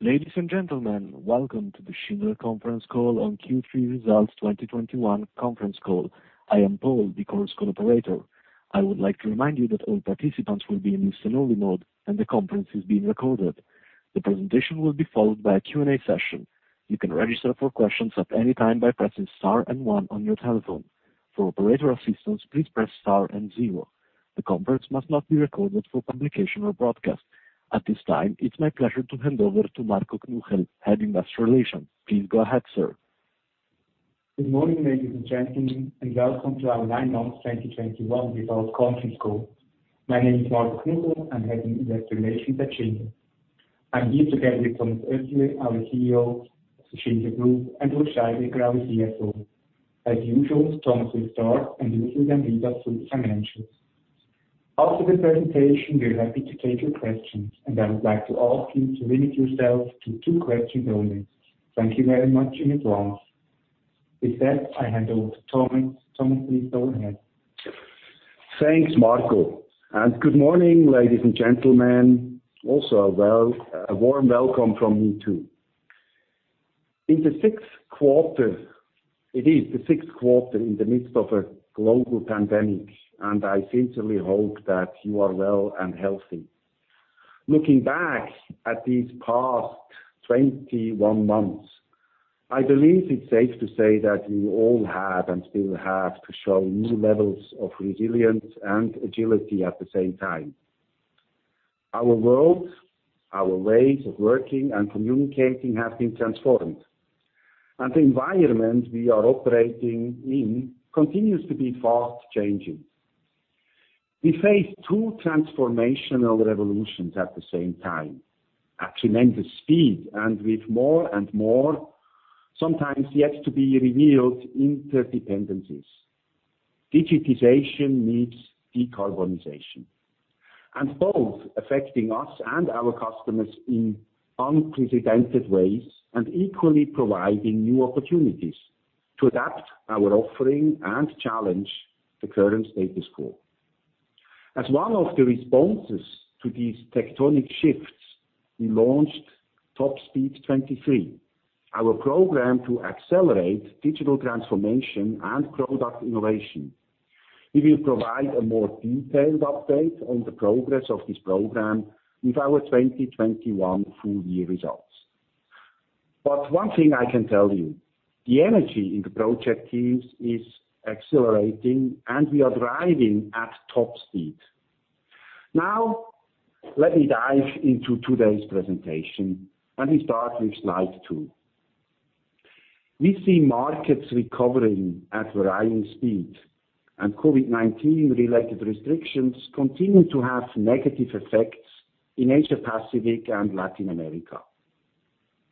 Ladies and gentlemen, welcome to the Schindler conference call on Q3 results 2021 conference call. I am Paul, the conference call operator. I would like to remind you that all participants will be in listen only mode, and the conference is being recorded. The presentation will be followed by a Q&A session. You can register for questions at any time by pressing star and one on your telephone. For operator assistance, please press star and zero. The conference must not be recorded for publication or broadcast. At this time, it's my pleasure to hand over to Marco Knuchel, Head of Investor Relations. Please go ahead, sir. Good morning, ladies and gentlemen. Welcome to our nine months 2021 results conference call. My name is Marco Knuchel. I'm Head of Investor Relations at Schindler. I'm here together with Thomas Oetterli, our CEO, Schindler Group. Urs Scheidegger, our CFO. As usual, Thomas will start and Urs will then lead us through the financials. After the presentation, we're happy to take your questions. I would like to ask you to limit yourself to two questions only. Thank you very much in advance. With that, I hand over to Thomas. Thomas, please go ahead. Thanks, Marco. Good morning, ladies and gentlemen. Also, a warm welcome from me, too. It is the sixth quarter in the midst of a global pandemic, and I sincerely hope that you are well and healthy. Looking back at these past 21 months, I believe it's safe to say that we all have and still have to show new levels of resilience and agility at the same time. Our world, our ways of working and communicating have been transformed, and the environment we are operating in continues to be fast-changing. We face two transformational revolutions at the same time, at tremendous speed, and with more and more, sometimes yet to be revealed interdependencies. Digitization meets decarbonization, and both affecting us and our customers in unprecedented ways, and equally providing new opportunities to adapt our offering and challenge the current status quo. As one of the responses to these tectonic shifts, we launched Top Speed 23, our program to accelerate digital transformation and product innovation. We will provide a more detailed update on the progress of this program with our 2021 full-year results. One thing I can tell you, the energy in the project teams is accelerating, and we are driving at top speed. Now, let me dive into today's presentation, and we start with slide 2. We see markets recovering at varying speed, and COVID-19 related restrictions continue to have negative effects in Asia, Pacific, and Latin America.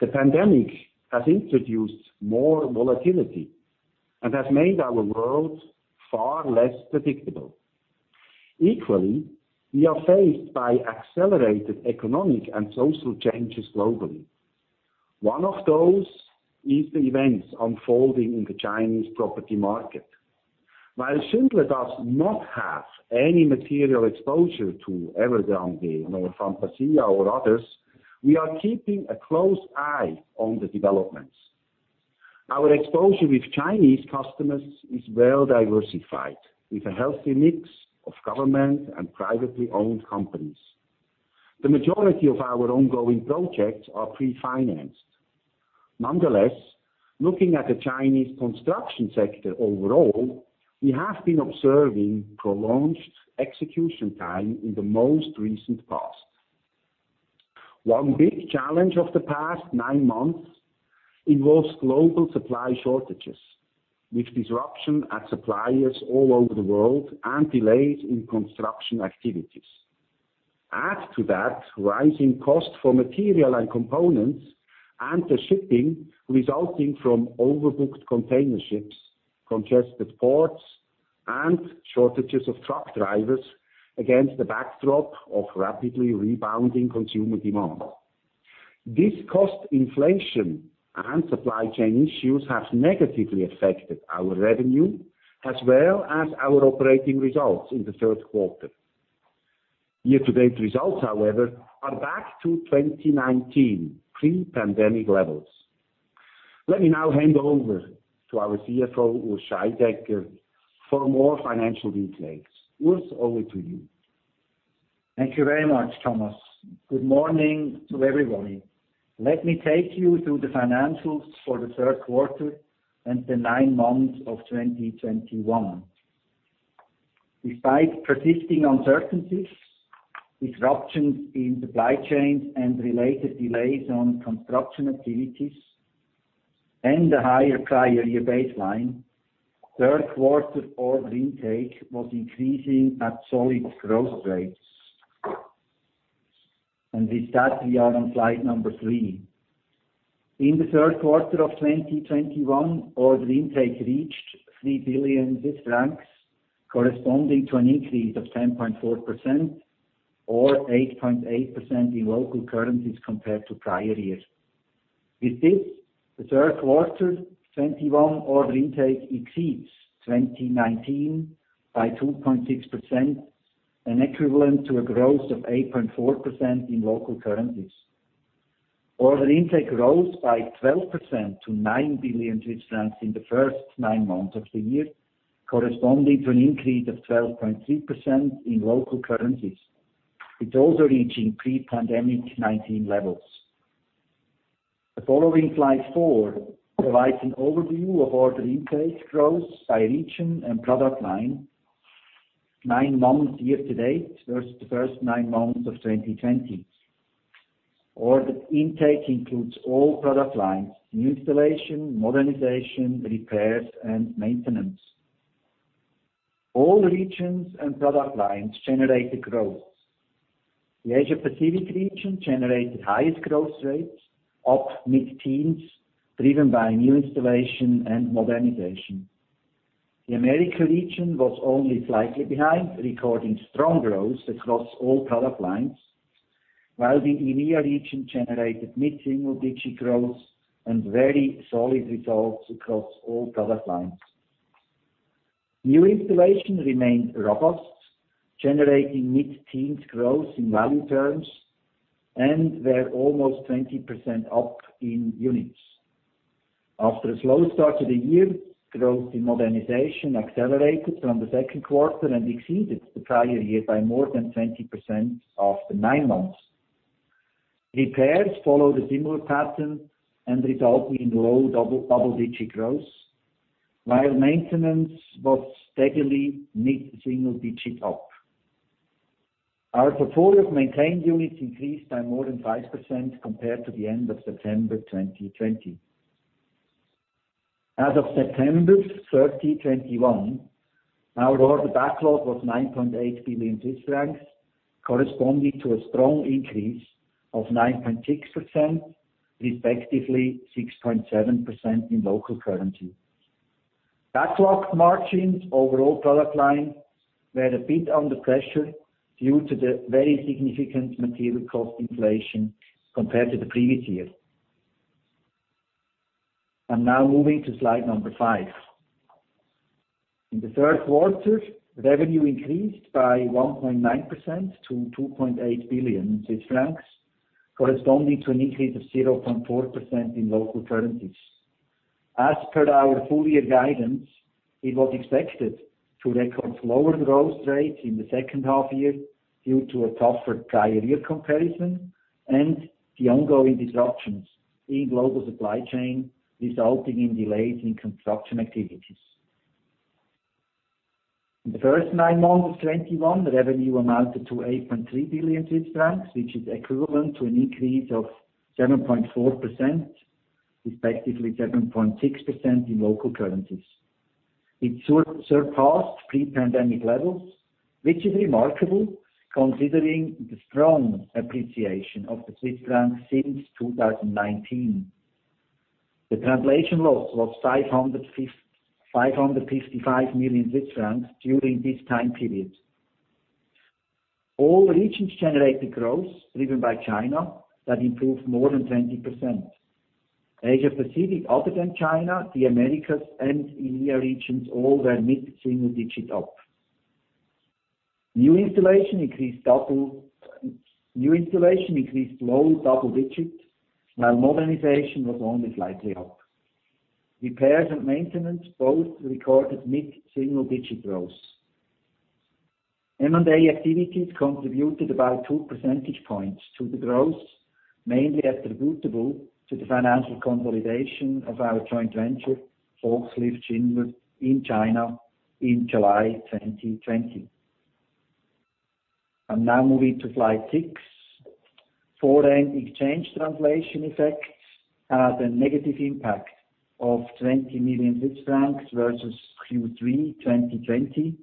The pandemic has introduced more volatility and has made our world far less predictable. Equally, we are faced by accelerated economic and social changes globally. One of those is the events unfolding in the Chinese property market. While Schindler does not have any material exposure to Evergrande or Fantasia or others, we are keeping a close eye on the developments. Our exposure with Chinese customers is well diversified, with a healthy mix of government and privately owned companies. The majority of our ongoing projects are pre-financed. Nonetheless, looking at the Chinese construction sector overall, we have been observing prolonged execution time in the most recent past. One big challenge of the past nine months involves global supply shortages, with disruption at suppliers all over the world and delays in construction activities. Add to that rising cost for material and components, and the shipping resulting from overbooked container ships, congested ports, and shortages of truck drivers against the backdrop of rapidly rebounding consumer demand. This cost inflation and supply chain issues have negatively affected our revenue as well as our operating results in the Q3. Year-to-date results, however, are back to 2019 pre-pandemic levels. Let me now hand over to our CFO, Urs Scheidegger, for more financial details. Urs, over to you. Thank you very much, Thomas. Good morning to everybody. Let me take you through the financials for the Q3 and the nine months of 2021. Despite persisting uncertainties, disruptions in supply chains, and related delays on construction activities, and the higher prior year baseline, Q3 order intake was increasing at solid growth rates. With that, we are on slide 3. In the Q3 of 2021, order intake reached 3 billion francs, corresponding to an increase of 10.4% or 8.8% in local currencies compared to prior year. With this, the Q3 2021 order intake exceeds 2019 by 2.6%, and equivalent to a growth of 8.4% in local currencies. Order intake grows by 12% to 9 billion Swiss francs in the first nine months of the year, corresponding to an increase of 12.3% in local currencies. It's also reaching pre-pandemic 19 levels. The following slide 4 provides an overview of order intake growth by region and product line, nine months year to date versus the first nine months of 2020. Order intake includes all product lines, New Installation, Modernization, repairs, and maintenance. All regions and product lines generated growth. The Asia Pacific region generated highest growth rates, up mid-teens, driven by New Installation and Modernization. The America region was only slightly behind, recording strong growth across all product lines, while the EMEA region generated mid-single-digit growth and very solid results across all product lines. New Installation remained robust, generating mid-teens growth in value terms, and we're almost 20% up in units. After a slow start to the year, growth in Modernization accelerated from the Q2 and exceeded the prior year by more than 20% after nine months. Repairs followed a similar pattern and resulting in low double-digit growth, while maintenance was steadily mid-single digit up. Our portfolio of maintained units increased by more than 5% compared to the end of September 2020. As of 30 September 2021, our order backlog was 9.8 billion francs, corresponding to a strong increase of 9.6%, respectively 6.7% in local currency. Backlog margins overall product line were a bit under pressure due to the very significant material cost inflation compared to the previous year. I'm now moving to slide number 5. In the Q3, revenue increased by 1.9% to 2.8 billion Swiss francs, corresponding to an increase of 0.4% in local currencies. As per our full year guidance, it was expected to record lower growth rates in the second half year due to a tougher prior year comparison and the ongoing disruptions in global supply chain, resulting in delays in construction activities. In the first nine months of 2021, the revenue amounted to 8.3 billion Swiss francs, which is equivalent to an increase of 7.4%, respectively 7.6% in local currencies. It surpassed pre-pandemic levels, which is remarkable considering the strong appreciation of the Swiss franc since 2019. The translation loss was 555 million Swiss francs during this time period. All regions generated growth driven by China that improved more than 20%. Asia Pacific, other than China, the Americas, and EMEA regions all were mid-single digit up. New Installation increased low double digits, while Modernization was only slightly up. Repairs and maintenance both recorded mid-single digit growth. M&A activities contributed about 2 percentage points to the growth, mainly attributable to the financial consolidation of our joint venture, Volkslift Schindler in China in July 2020. I'm now moving to slide 6. Foreign exchange translation effects had a negative impact of 20 million Swiss francs versus Q3 2020.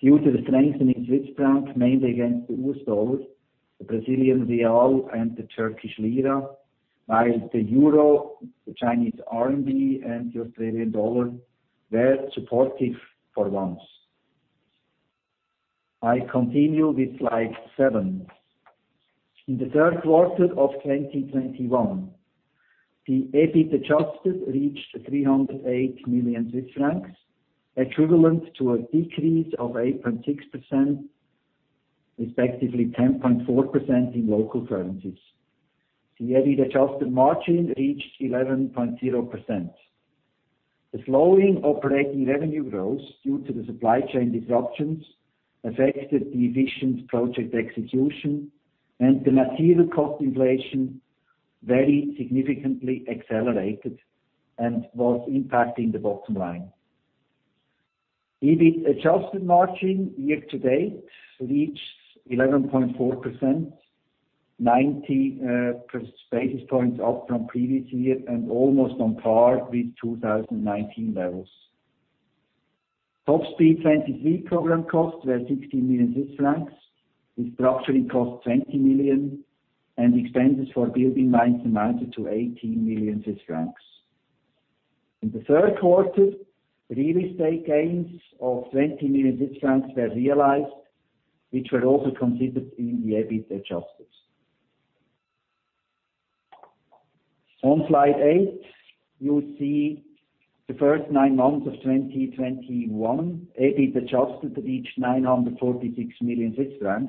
Due to the strengthening CHF, mainly against the USD, the BRL, and the TRY, while the EUR, the CNY, and the AUD were supportive for once. I continue with slide 7. In the Q3 of 2021, the EBITDA-adjusted reached 308 million Swiss francs, equivalent to a decrease of 8.6%, respectively 10.4% in local currencies. The EBITDA-adjusted margin reached 11.0%. The slowing operating revenue growth due to the supply chain disruptions affected the efficient project execution, and the material cost inflation very significantly accelerated and was impacting the bottom line. EBITDA-adjusted margin year to date reached 11.4%, 90 basis points up from previous year and almost on par with 2019 levels. Top Speed 23 program costs were 16 million Swiss francs, restructuring costs 20 million, and expenses for building lease amounted to 18 million Swiss francs. In the Q3, real estate gains of 20 million were realized, which were also considered in the EBITDA adjustments. On slide 8, you see the first nine months of 2021. EBITDA adjusted reached 946 million,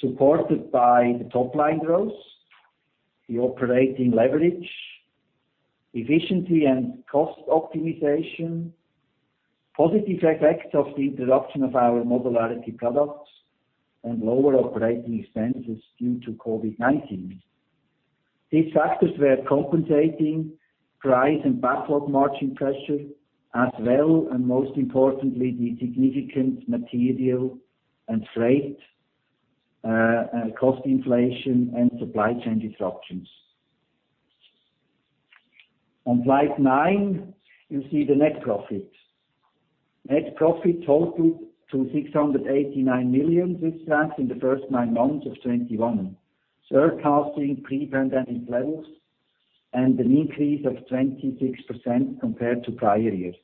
supported by the top-line growth, the operating leverage, efficiency and cost optimization, positive effects of the introduction of our modularity products, and lower operating expenses due to COVID-19. These factors were compensating price and backlog margin pressure, as well, and most importantly, the significant material and freight cost inflation and supply chain disruptions. On slide 9, you see the net profit. Net profit totaled to 689 million in the first nine months of 2021, surpassing pre-pandemic levels and an increase of 26% compared to prior years.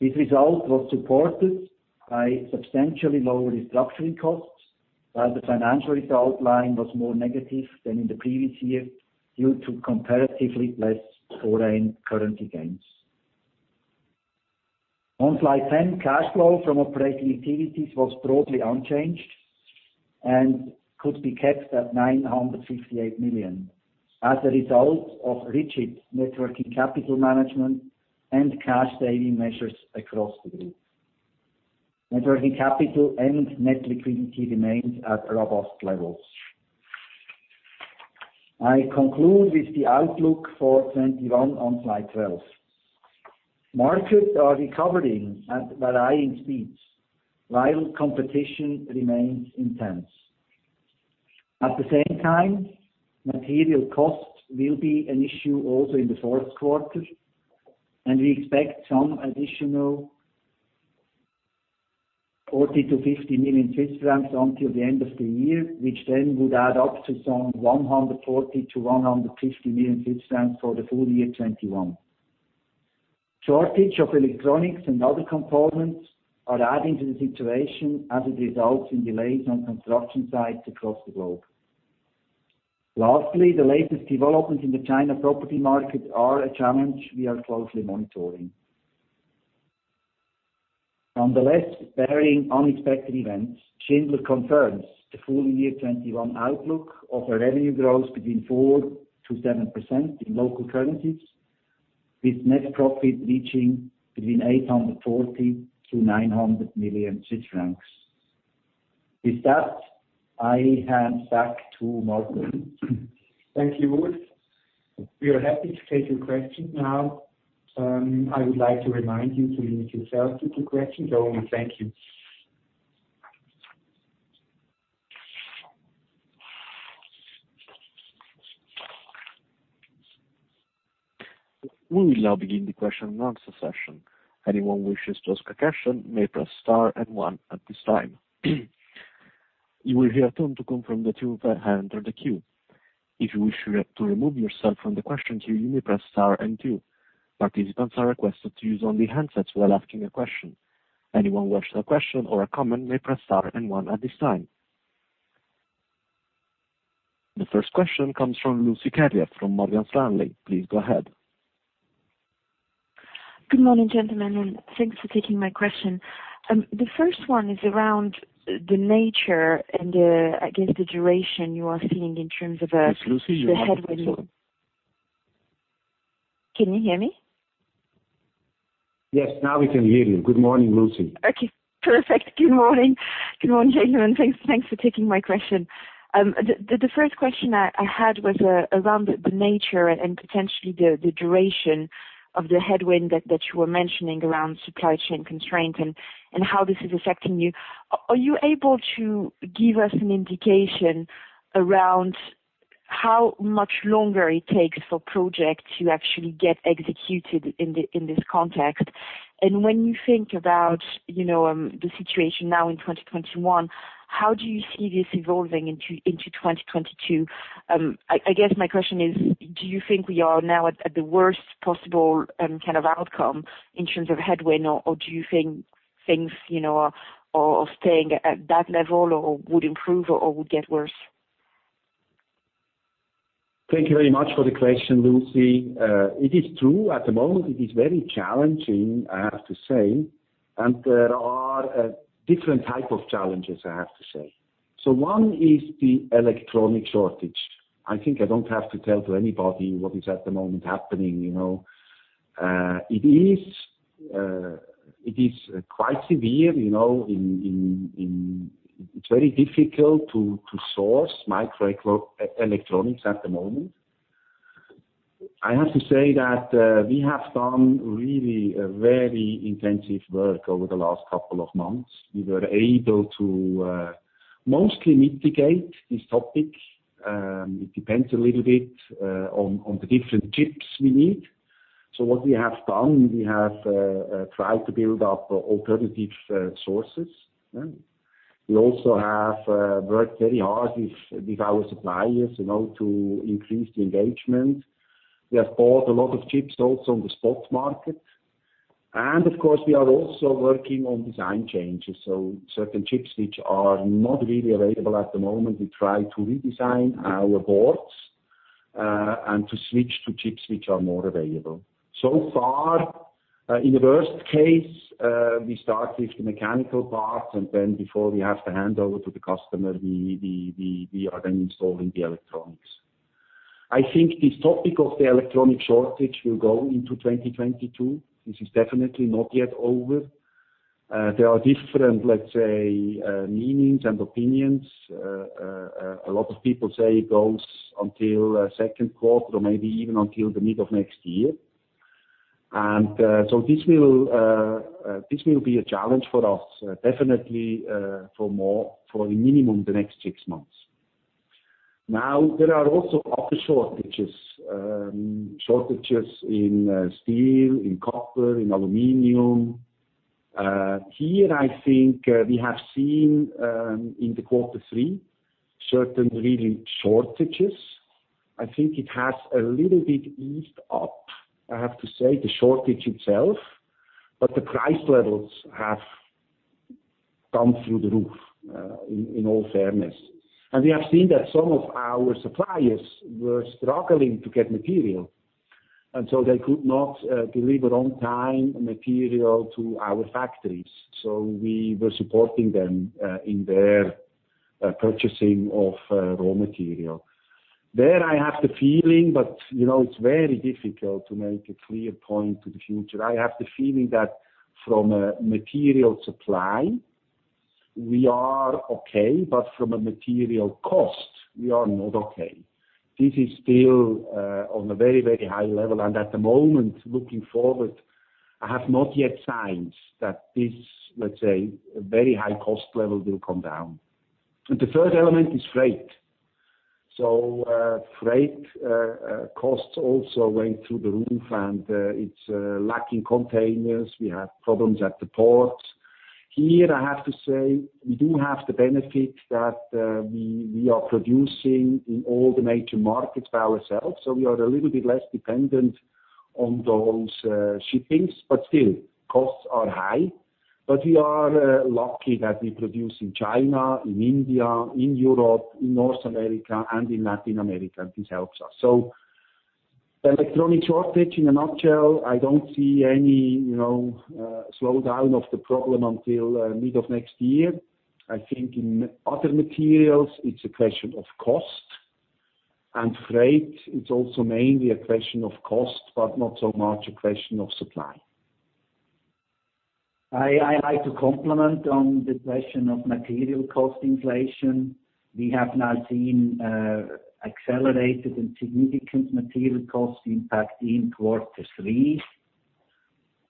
This result was supported by substantially lower restructuring costs, while the financial result line was more negative than in the previous year, due to comparatively less foreign currency gains. On slide 10, cash flow from operating activities was broadly unchanged and could be kept at 968 million as a result of rigid net working capital management and cost-saving measures across the group. Networking capital and net liquidity remains at robust levels. I conclude with the outlook for 2021 on slide 12. Markets are recovering at varying speeds, while competition remains intense. At the same time, material costs will be an issue also in the Q4, and we expect some additional 40 million-50 million Swiss francs until the end of the year, which then would add up to some 140 million-150 million Swiss francs for the full year 2021. Shortage of electronics and other components are adding to the situation as it results in delays on construction sites across the globe. The latest developments in the China property market are a challenge we are closely monitoring. Barring unexpected events, Schindler confirms the full year 2021 outlook of a revenue growth between 4%-7% in local currencies, with net profit reaching between 840 million-900 million Swiss francs. With that, I hand back to Marco. Thank you, Urs. We are happy to take your questions now. I would like to remind you to mute yourself if you have questions only thank you. We will now begin the question and answer session. The first question comes from Lucie Erzgräber from Morgan Stanley. Please go ahead. Good morning, gentlemen. Thanks for taking my question. The first one is around the nature and, I guess, the duration you are seeing in terms of- Yes, Lucie, you are not audible. -the headwind. Can you hear me? Yes. Now we can hear you good morning, Lucie. Okay. Perfect good morning. Good morning, gentlemen thanks for taking my question. The first question I had was around the nature and potentially the duration of the headwind that you were mentioning around supply chain constraints and how this is affecting you. Are you able to give us an indication around how much longer it takes for projects to actually get executed in this context? When you think about the situation now in 2021, how do you see this evolving into 2022? I guess my question is: Do you think we are now at the worst possible kind of outcome in terms of headwind? Or do you think things are staying at that level or would improve or would get worse? Thank you very much for the question, Lucie. It is true, at the moment, it is very challenging, I have to say, and there are different type of challenges, I have to say. One is the electronic shortage. I think I don't have to tell to anybody what is at the moment happening you know, it is quite severe. It is very difficult to source microelectronics at the moment. I have to say that we have done really very intensive work over the last couple of months. We were able to mostly mitigate this topic. It depends a little bit on the different chips we need. What we have done, we have tried to build up alternative sources. Yeah We also have worked very hard with our suppliers to increase the engagement. We have bought a lot of chips also on the spot market. Of course, we are also working on design changes so, certain chips which are not really available at the moment, we try to redesign our boards, and to switch to chips which are more available. Far, in the worst case, we start with the mechanical parts, and then before we have to hand over to the customer, we are then installing the electronics. I think this topic of the electronic shortage will go into 2022. This is definitely not yet over. There are different, let's say, meanings and opinions. A lot of people say it goes until Q2, maybe even until the mid of next year. This will be a challenge for us, definitely, for a minimum the next six months. Now, there are also other shortages. Shortages in steel, in copper, in aluminum. Here, I think we have seen, in the Q3, certain real shortages. I think it has a little bit eased up, I have to say, the shortage itself, but the price levels have gone through the roof, in all fairness. We have seen that some of our suppliers were struggling to get material, and so they could not deliver on time material to our factories, so we were supporting them in their purchasing of raw material. There I have the feeling, but it's very difficult to make a clear point to the future i have the feeling that from a material supply, we are okay, but from a material cost, we are not okay. This is still on a very high level at the moment, looking forward, I have not yet signs that this, let's say, very high cost level will come down. The third element is freight. Freight costs also went through the roof, and it's lacking containers, we have problems at the ports. Here, I have to say, we do have the benefit that we are producing in all the major markets by ourselves, so we are a little bit less dependent on those shippings but still, costs are high. We are lucky that we produce in China, in India, in Europe, in North America, and in Latin America, and this helps us. Electronic shortage, in a nutshell, I don't see any slowdown of the problem until mid of next year. I think in other materials, it's a question of cost, and freight, it's also mainly a question of cost, but not so much a question of supply. I like to complement on the question of material cost inflation. We have now seen accelerated and significant material cost impact in Q3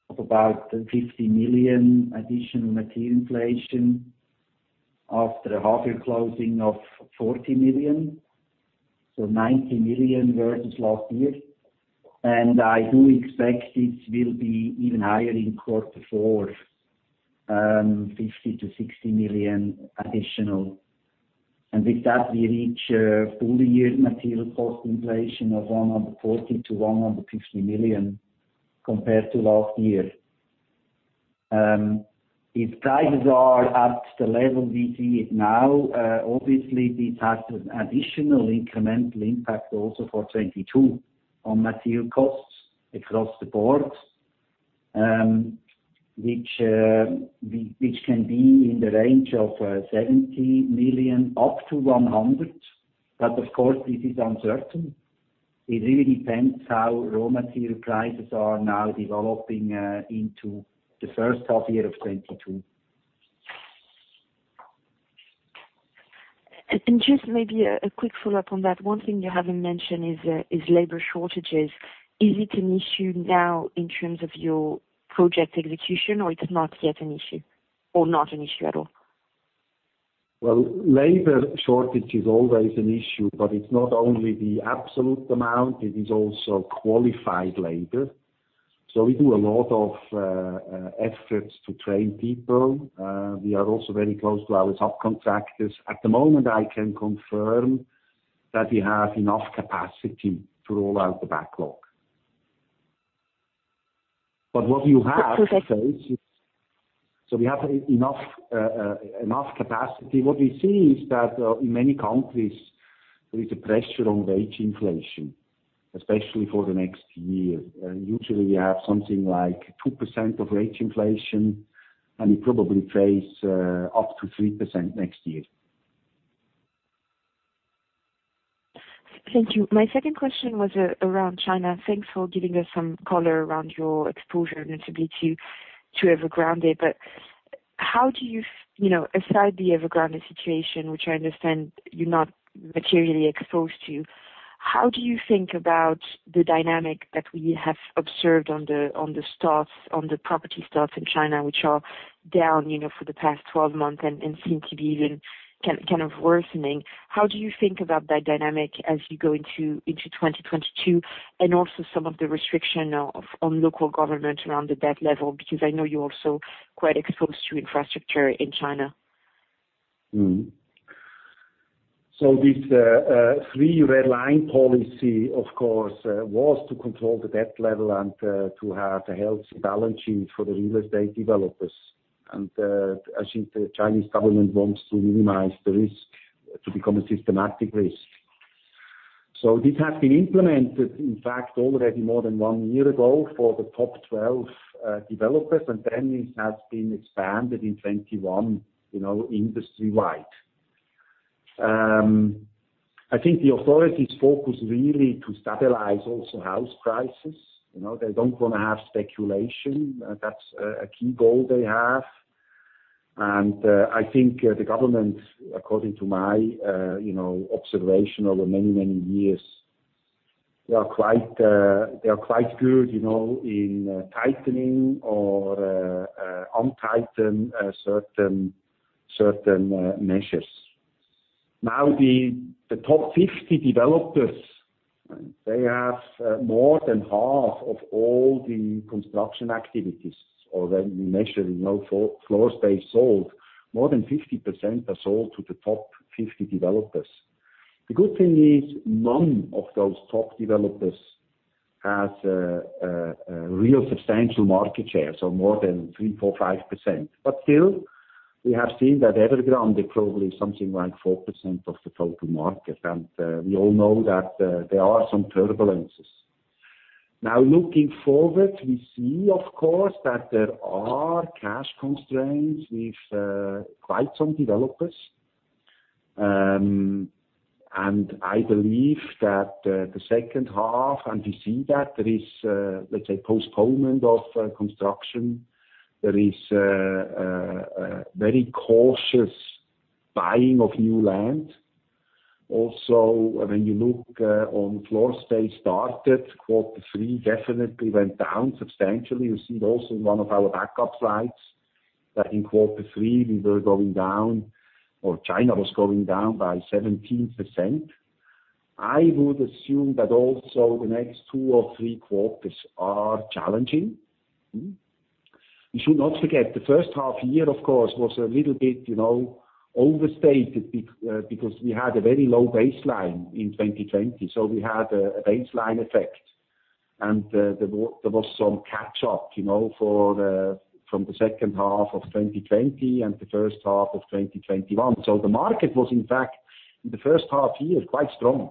of about 50 million additional material inflation after a half-year closing of 40 million. 90 million versus last year. I do expect this will be even higher in Q4, 50 million-60 million additional. With that, we reach a full year material cost inflation of 140 million-150 million compared to last year. If prices are at the level we see it now, obviously this has an additional incremental impact also for 2022 on material costs across the board, which can be in the range of 70 million-100 million. Of course, this is uncertain. It really depends how raw material prices are now developing into the first half-year of 2022. Just maybe a quick follow-up on that, one thing you haven't mentioned is labor shortages. Is it an issue now in terms of your project execution? or it's not yet an issue? or not an issue at all? Labor shortage is always an issue, it's not only the absolute amount, it is also qualified labor. We do a lot of efforts to train people. We are also very close to our subcontractors at the moment, I can confirm that we have enough capacity to roll out the backlog. We have enough capacity what we see is that in many countries, there is a pressure on wage inflation, especially for the next year, and usually, we have something like 2% of wage inflation, and it probably plays up to 3% next year. Thank you my second question was around China thanks for giving us some color around your exposure, notably to Evergrande. Aside the Evergrande situation, which I understand you're not materially exposed to, how do you think about the dynamic that we have observed on the property stocks in China? which are down for the past 12 months and seem to be even kind of worsening. How do you think about that dynamic as you go into 2022? and also some of the restriction on local government around the debt level? Because I know you're also quite exposed to infrastructure in China. This Three Red Lines policy, of course, was to control the debt level and to have a healthy balance sheet for the real estate developers. I think the Chinese government wants to minimize the risk to become a systematic risk. This has been implemented, in fact, already more than one year ago for the top 12 developers, and then it has been expanded in 2021 industry-wide. I think the authorities focus really to stabilize also house prices. They don't want to have speculation, that's a key goal they have. I think the government, according to my observation over many, many years, they are quite good in tightening or untighten certain measures. Now the top 50 developers, they have more than half of all the construction activities, or when we measure floor space sold, more than 50% are sold to the top 50 developers. The good thing is none of those top developers has a real substantial market share, more than 3%, 4%, 5% but still, we have seen that Evergrande is probably something like 4% of the total market, and we all know that there are some turbulences. Looking forward, we see, of course, that there are cash constraints with quite some developers. I believe that the second half, and we see that there is, let's say, postponement of construction. There is a very cautious buying of new land. Also when you look on floor space started, Q3 definitely went down substantially you see it also in one of our backup slides, that in Q3 we were going down, or China was going down by 17%. I would assume that also the next Q2 or Q3 are challenging. We should not forget the first half year, of course, was a little bit overstated because we had a very low baseline in 2020, so we had a baseline effect. There was some catch-up from the second half of 2020 and the first half of 2021 so the market was, in fact, in the first half year, quite strong.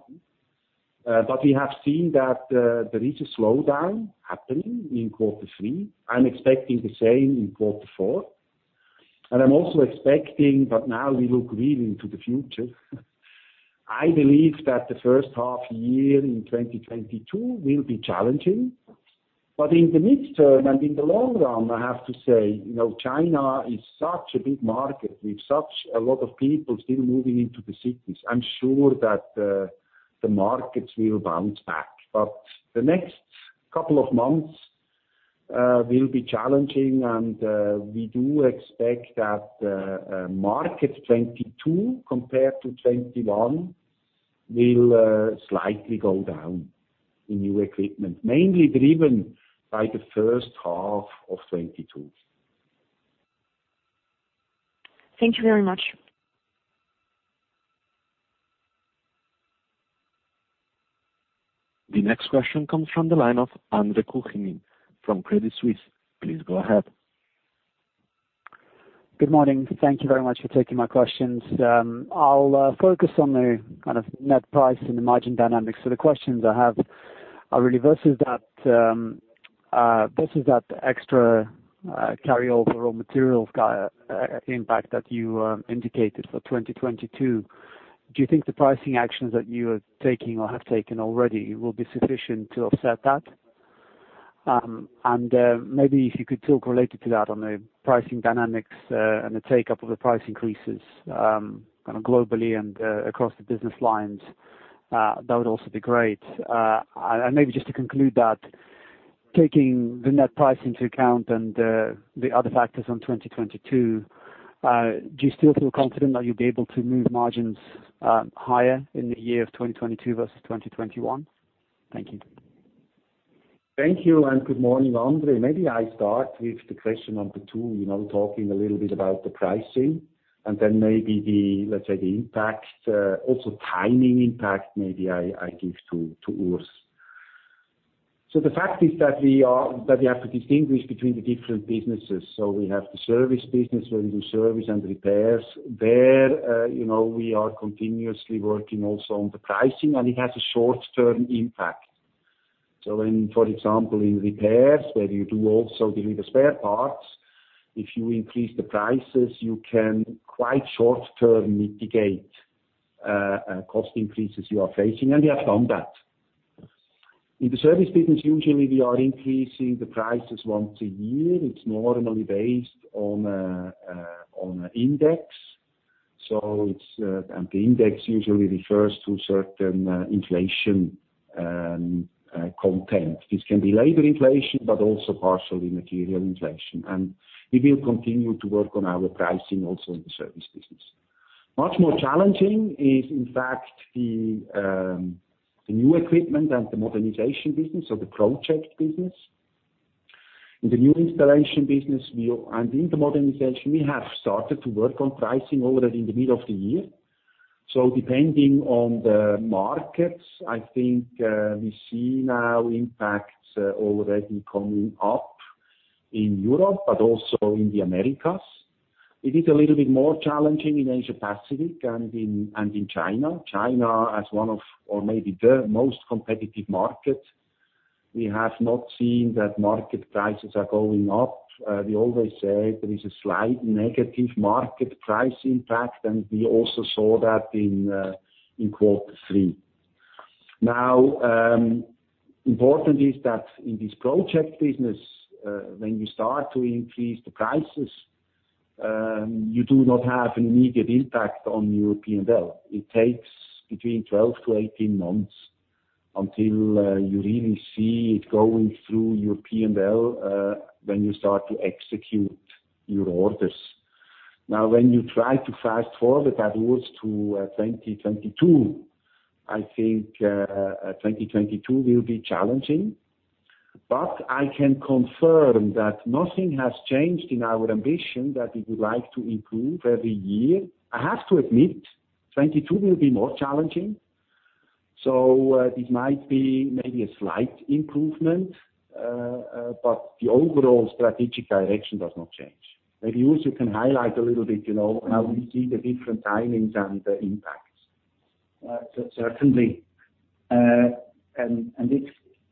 We have seen that there is a slowdown happening in Q3. I'm expecting the same in Q4. I'm also expecting, but now we look really into the future. I believe that the first half year in 2022 will be challenging. In the midterm and in the long run, I have to say, China is such a big market with such a lot of people still moving into the cities i'm sure that the markets will bounce back. The next couple of months will be challenging, and we do expect that market 2022 compared to 2021 will slightly go down in new equipment, mainly driven by the first half of 2022. Thank you very much. The next question comes from the line of Andre Kukhnin from Credit Suisse. Please go ahead. Good morning. Thank you very much for taking my questions. I'll focus on the net price and the margin dynamics the questions I have are really versus that extra carryover raw materials impact that you indicated for 2022, do you think the pricing actions that you are taking or have taken already will be sufficient to offset that? Maybe if you could talk related to that on the pricing dynamics and the take-up of the price increases globally and across the business lines, that would also be great. Maybe just to conclude that, taking the net price into account and the other factors on 2022, do you still feel confident that you'll be able to move margins higher in the year of 2022 versus 2021? Thank you. Thank you, and good morning, Andre. Maybe I start with the question number two, talking a little bit about the pricing, and then maybe the, let's say the impact, also timing impact, maybe I give to Urs. The fact is that we have to distinguish between the different businesses so we have the service business where we do service and repairs. There we are continuously working also on the pricing, and it has a short-term impact. In, for example, in repairs, where you do also deliver spare parts. If you increase the prices, you can quite short-term mitigate cost increases you are facing, and we have done that. In the service business, usually we are increasing the prices once a year it's normally based on a index. The index usually refers to certain inflation content this can be labor inflation, but also partially material inflation and, we will continue to work on our pricing also in the service business. Much more challenging is, in fact, the new equipment and the Modernization business or the project business. In the New Installation business, and in the Modernization, we have started to work on pricing already in the middle of the year. Depending on the markets, I think we see now impacts already coming up in Europe, but also in the Americas. It is a little bit more challenging in Asia Pacific and in China. China, as one of, or maybe the most competitive market. We have not seen that market prices are going up, we always say there is a slight negative market price impact, and we also saw that in Q3. Important is that in this project business, when you start to increase the prices, you do not have an immediate impact on your P&L. It takes between 12 to 18 months until you really see it going through your P&L, when you start to execute your orders. When you try to fast-forward that towards to 2022, I think 2022 will be challenging. But i can confirm that nothing has changed in our ambition that we would like to improve every year i have to admit, 2022 will be more challenging. It might be maybe a slight improvement, but the overall strategic direction does not change. Maybe Urs you can highlight a little bit, how we see the different timings and the impacts. Certainly.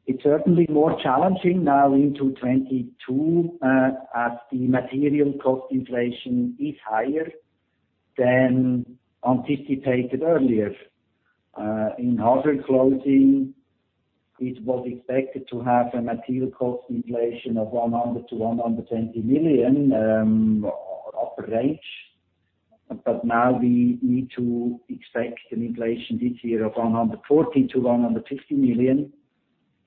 It's certainly more challenging now into 2022, as the material cost inflation is higher than anticipated earlier. In our closing, it was expected to have a material cost inflation of 100 million-120 million, upper range. Now we need to expect an inflation this year of 140 million-150 million,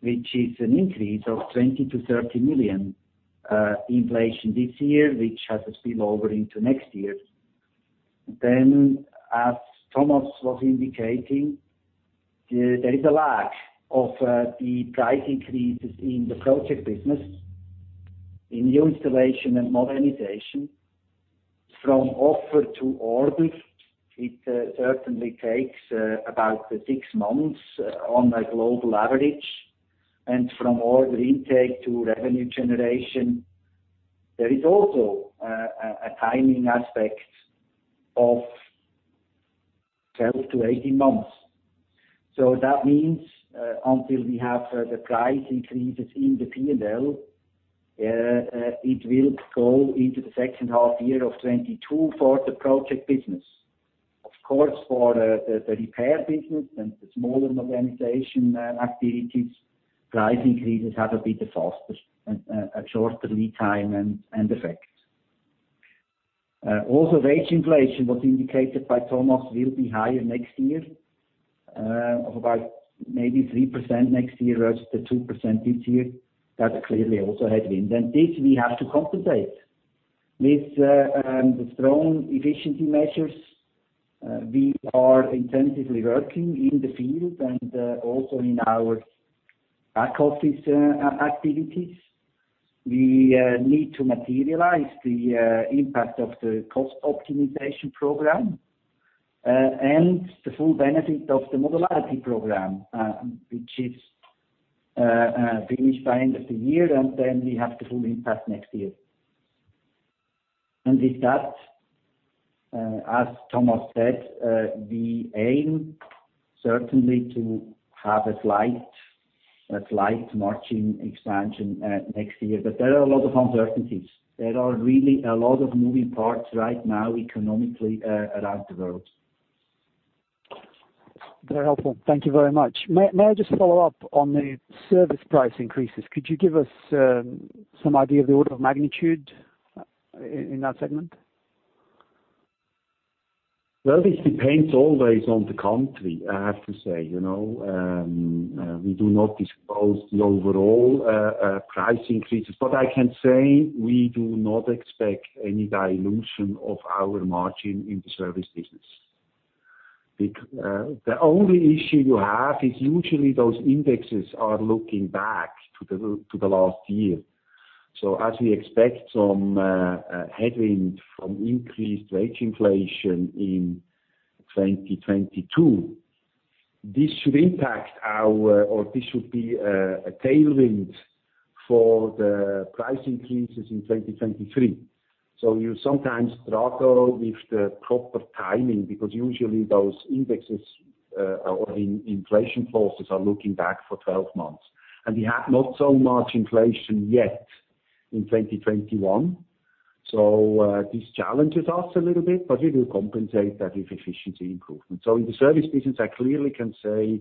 which is an increase of 20 million-30 million inflation this year, which has to spill over into next year. As Thomas was indicating, there is a lag of the price increases in the project business, in New Installation and Modernization. From offer to order, it certainly takes about six months on a global average. From order intake to revenue generation, there is also a timing aspect of 12-18 months. That means, until we have the price increases in the P&L. It will go into the second half year of 2022 for the project business. Of course, for the repair business and the smaller Modernization activities, price increases have a bit faster, a shorter lead time and effect. Wage inflation, was indicated by Thomas, will be higher next year, of about maybe 3% next year versus the 2% this year, that is clearly also a headwind this we have to compensate. With the strong efficiency measures, we are intensively working in the field and also in our back office activities. We need to materialize the impact of the cost optimization program, and the full benefit of the modularity program, which is finished by end of the year, and then we have the full impact next year. With that, as Thomas said, we aim certainly to have a slight margin expansion next year but there are a lot of uncertainties. There are really a lot of moving parts right now economically around the world. Very helpful. Thank you very much may I just follow up on the service price increases? Could you give us some idea of the order of magnitude in that segment? Well this depends always on the country, I have to say you know, we do not disclose the overall price increases but i can say we do not expect any dilution of our margin in the service business. The only issue you have is usually those indexes are looking back to the last year. As we expect some headwind from increased wage inflation in 2022, this should be a tailwind for the price increases in 2023. You sometimes struggle with the proper timing, because usually those indexes or inflation forces are looking back for 12 months. We have not so much inflation yet in 2021. This challenges us a little bit, but we will compensate that with efficiency improvement so in the service business, I clearly can say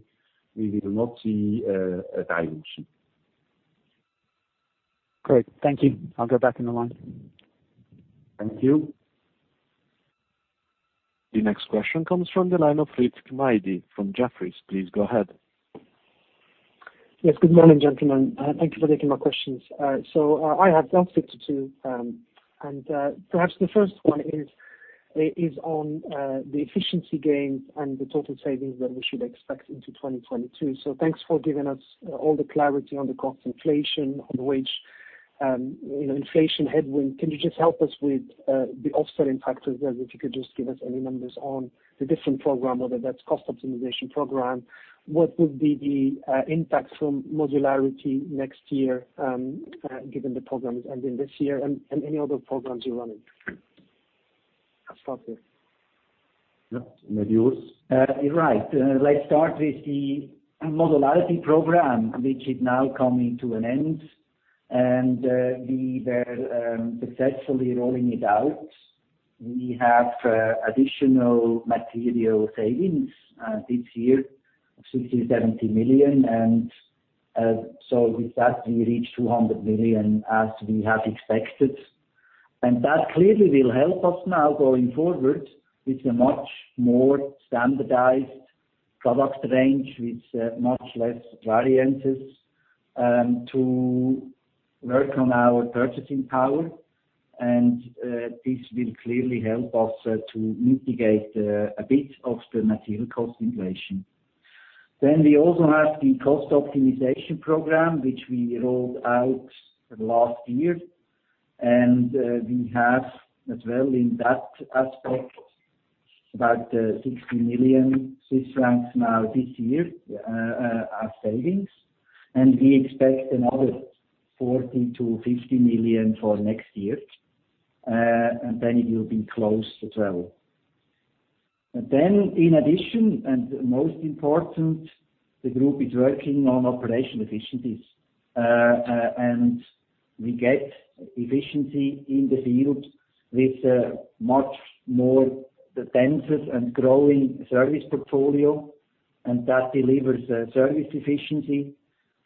we will not see a dilution. Great. Thank you. I'll go back in the line. Thank you. The next question comes from the line of Rizk Maidi from Jefferies. Please go ahead. Good morning, gentlemen. Thank you for taking my questions. I have two to you, and perhaps the first one is on the efficiency gains and the total savings that we should expect into 2022 so thanks for giving us all the clarity on the cost inflation, on the wage inflation headwind, can you just help us with the offsetting factors there? If you could just give us any numbers on the different program, whether that's cost optimization program, what would be the impact from modularity next year? given the programs ending this year, and any other programs you're running? I'll start there. Yeah. Maybe yours. Right. Let's start with the modularity program, which is now coming to an end. We were successfully rolling it out. We have additional material savings this year of 60 million-70 million. With that, we reach 200 million as we have expected. That clearly will help us now going forward with a much more standardized product range, with much less variances, to work on our purchasing power. This will clearly help us to mitigate a bit of the material cost inflation. We also have the cost optimization program, which we rolled out last year. We have as well in that aspect, about 60 million Swiss francs now this year, as savings. We expect another 40 million-50 million for next year, and then it will be closed as well. In addition, and most important, the group is working on operational efficiencies. We get efficiency in the field with a much more denser and growing service portfolio, and that delivers service efficiency.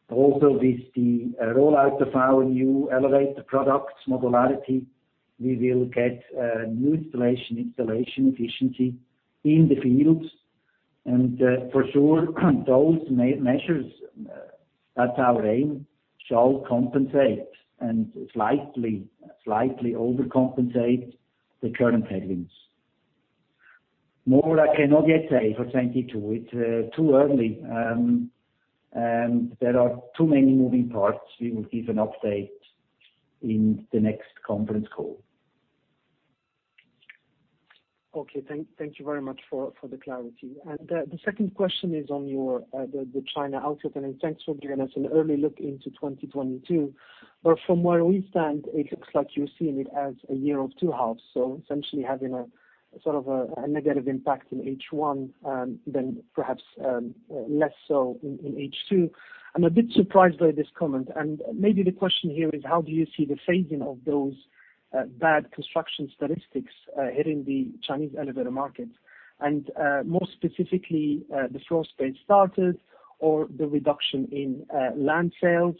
Also with the rollout of our new elevator products modularity, we will get New Installation efficiency in the fields. For sure, those measures, that's our aim, shall compensate and slightly overcompensate the current headwinds. More I cannot yet say for 2022 it's too early. There are too many moving parts, we will give an update in the next conference call. The second question is on the China outlook thanks for giving us an early look into 2022. From where we stand, it looks like you're seeing it as a year of two halves, so essentially having a sort of a negative impact in first half, then perhaps less so in second half. I'm a bit surprised by this comment, and maybe the question here is how do you see the phasing of those bad construction statistics hitting the Chinese elevator market? More specifically, the floor space started or the reduction in land sales,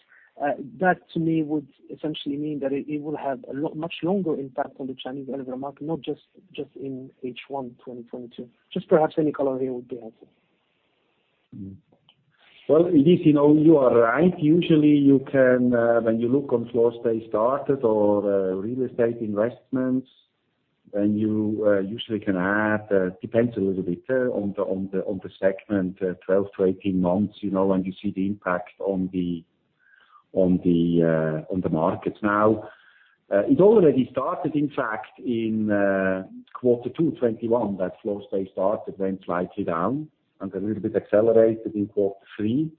that to me would essentially mean that it will have a much longer impact on the Chinese elevator market, not just in first half 2022. Just perhaps any color here would be helpful. Well, you are right. Usually, when you look on floor space started or real estate investments, then you usually can add, depends a little bit on the segment, 12-18 months, when you see the impact on the markets now. It already started, in fact, in Q2 2021, that floor space started, went slightly down and a little bit accelerated in Q3.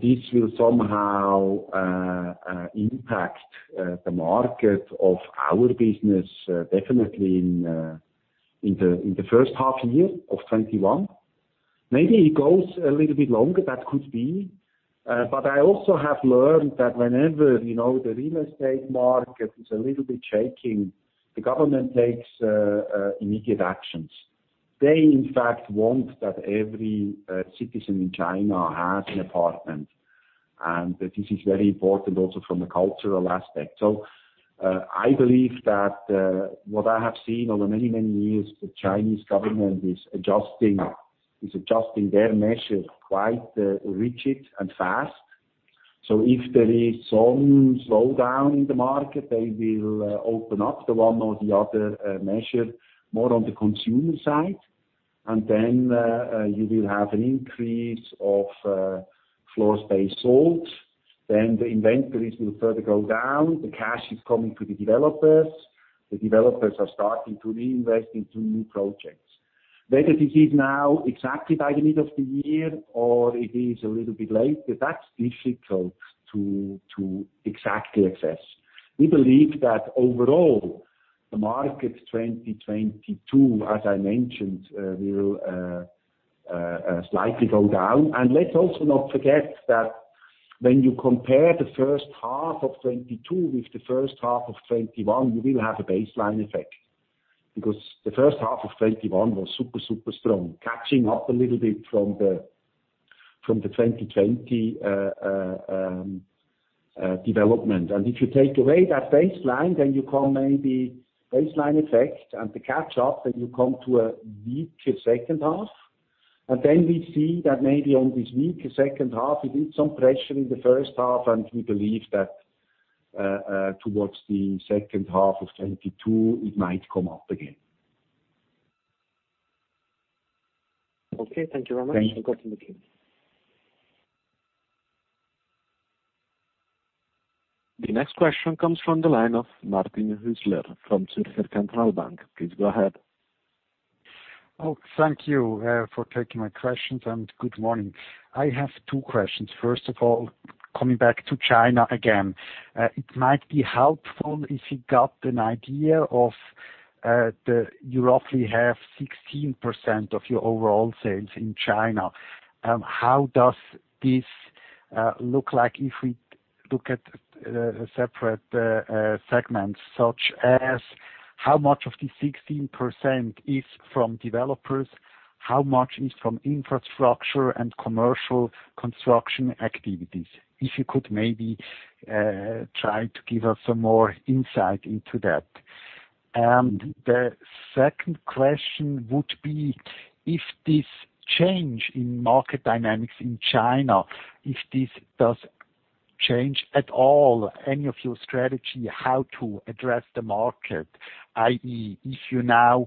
This will somehow impact the market of our business definitely in the first half year of 2021. Maybe it goes a little bit longer that could be. I also have learned that whenever the real estate market is a little bit shaking, the government takes immediate actions. They, in fact, want that every citizen in China has an apartment, and this is very important also from a cultural aspect. I believe that what I have seen over many, many years, the Chinese Government is adjusting their measures quite rigid and fast. If there is some slowdown in the market, they will open up the one or the other measure more on the consumer side. You will have an increase of floor space sold. The inventories will further go down the cash is coming to the developers. The developers are starting to reinvest into new projects. Whether this is now exactly by the middle of the year or it is a little bit later, that's difficult to exactly assess. We believe that overall, the market 2022, as I mentioned, will slightly go down and let's also not forget that when you compare the first half of 2022 with the first half of 2021, you will have a baseline effect. The first half of 2021 was super strong, catching up a little bit from the 2020 development and if you take away that baseline, then you come maybe baseline effect and the catch up, then you come to a weaker second half. We see that maybe on this weaker second half, with some pressure in the first half, and we believe that towards the second half of 2022, it might come up again. Okay. Thank you very much. Thank you. Good morning. The next question comes from the line of Martin Hüsler from Zürcher Kantonalbank. Please go ahead. Oh, thank you for taking my questions, and good morning. I have two questions first of all, coming back to China again. It might be helpful if you got an idea. You roughly have 16% of your overall sales in China. How does this look like if we look at separate segments? such as how much of the 16% is from developers? how much is from infrastructure and commercial construction activities? If you could maybe try to give us some more insight into that. The second question would be if this change in market dynamics in China, if this does change at all any of your strategy, how to address the market? i.e., if you now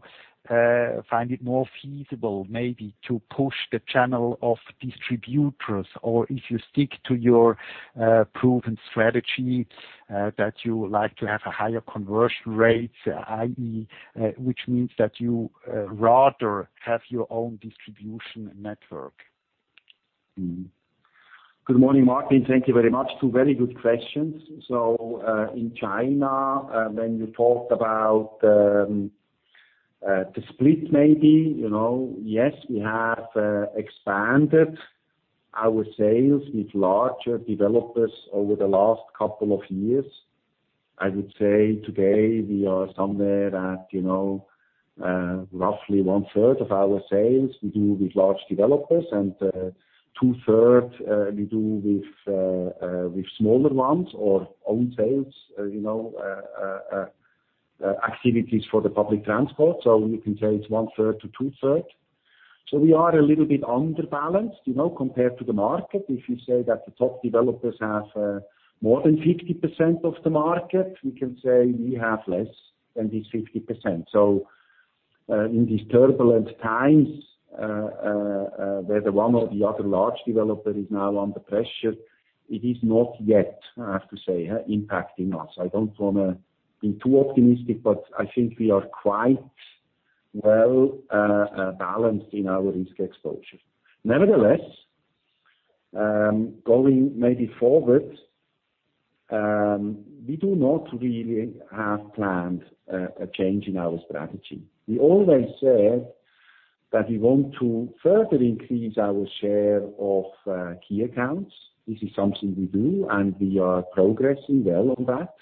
find it more feasible maybe to push the channel of distributors or if you stick to your proven strategy that you like to have a higher conversion rate, i.e., which means that you rather have your own distribution network? Good morning, Martin thank you very much. Two very good questions so in China, when you talked about the split maybe, yes, we have expanded our sales with larger developers over the last couple of years. I would say today we are somewhere at roughly 1/3 of our sales we do with large developers, and 2/3 we do with smaller ones or own sales, activities for the public transport so we can say it's 1/3 to 2/3. We are a little bit under-balanced, compared to the market if you say that the top developers have more than 50% of the market, we can say we have less than this 50%. In these turbulent times, whether one or the other large developer is now under pressure, it is not yet, I have to say, impacting us i don't want to be too optimistic, but I think we are quite well-balanced in our risk exposure. Nevertheless, going maybe forward, we do not really have planned a change in our strategy. We always said that we want to further increase our share of key accounts. This is something we do, and we are progressing well on that.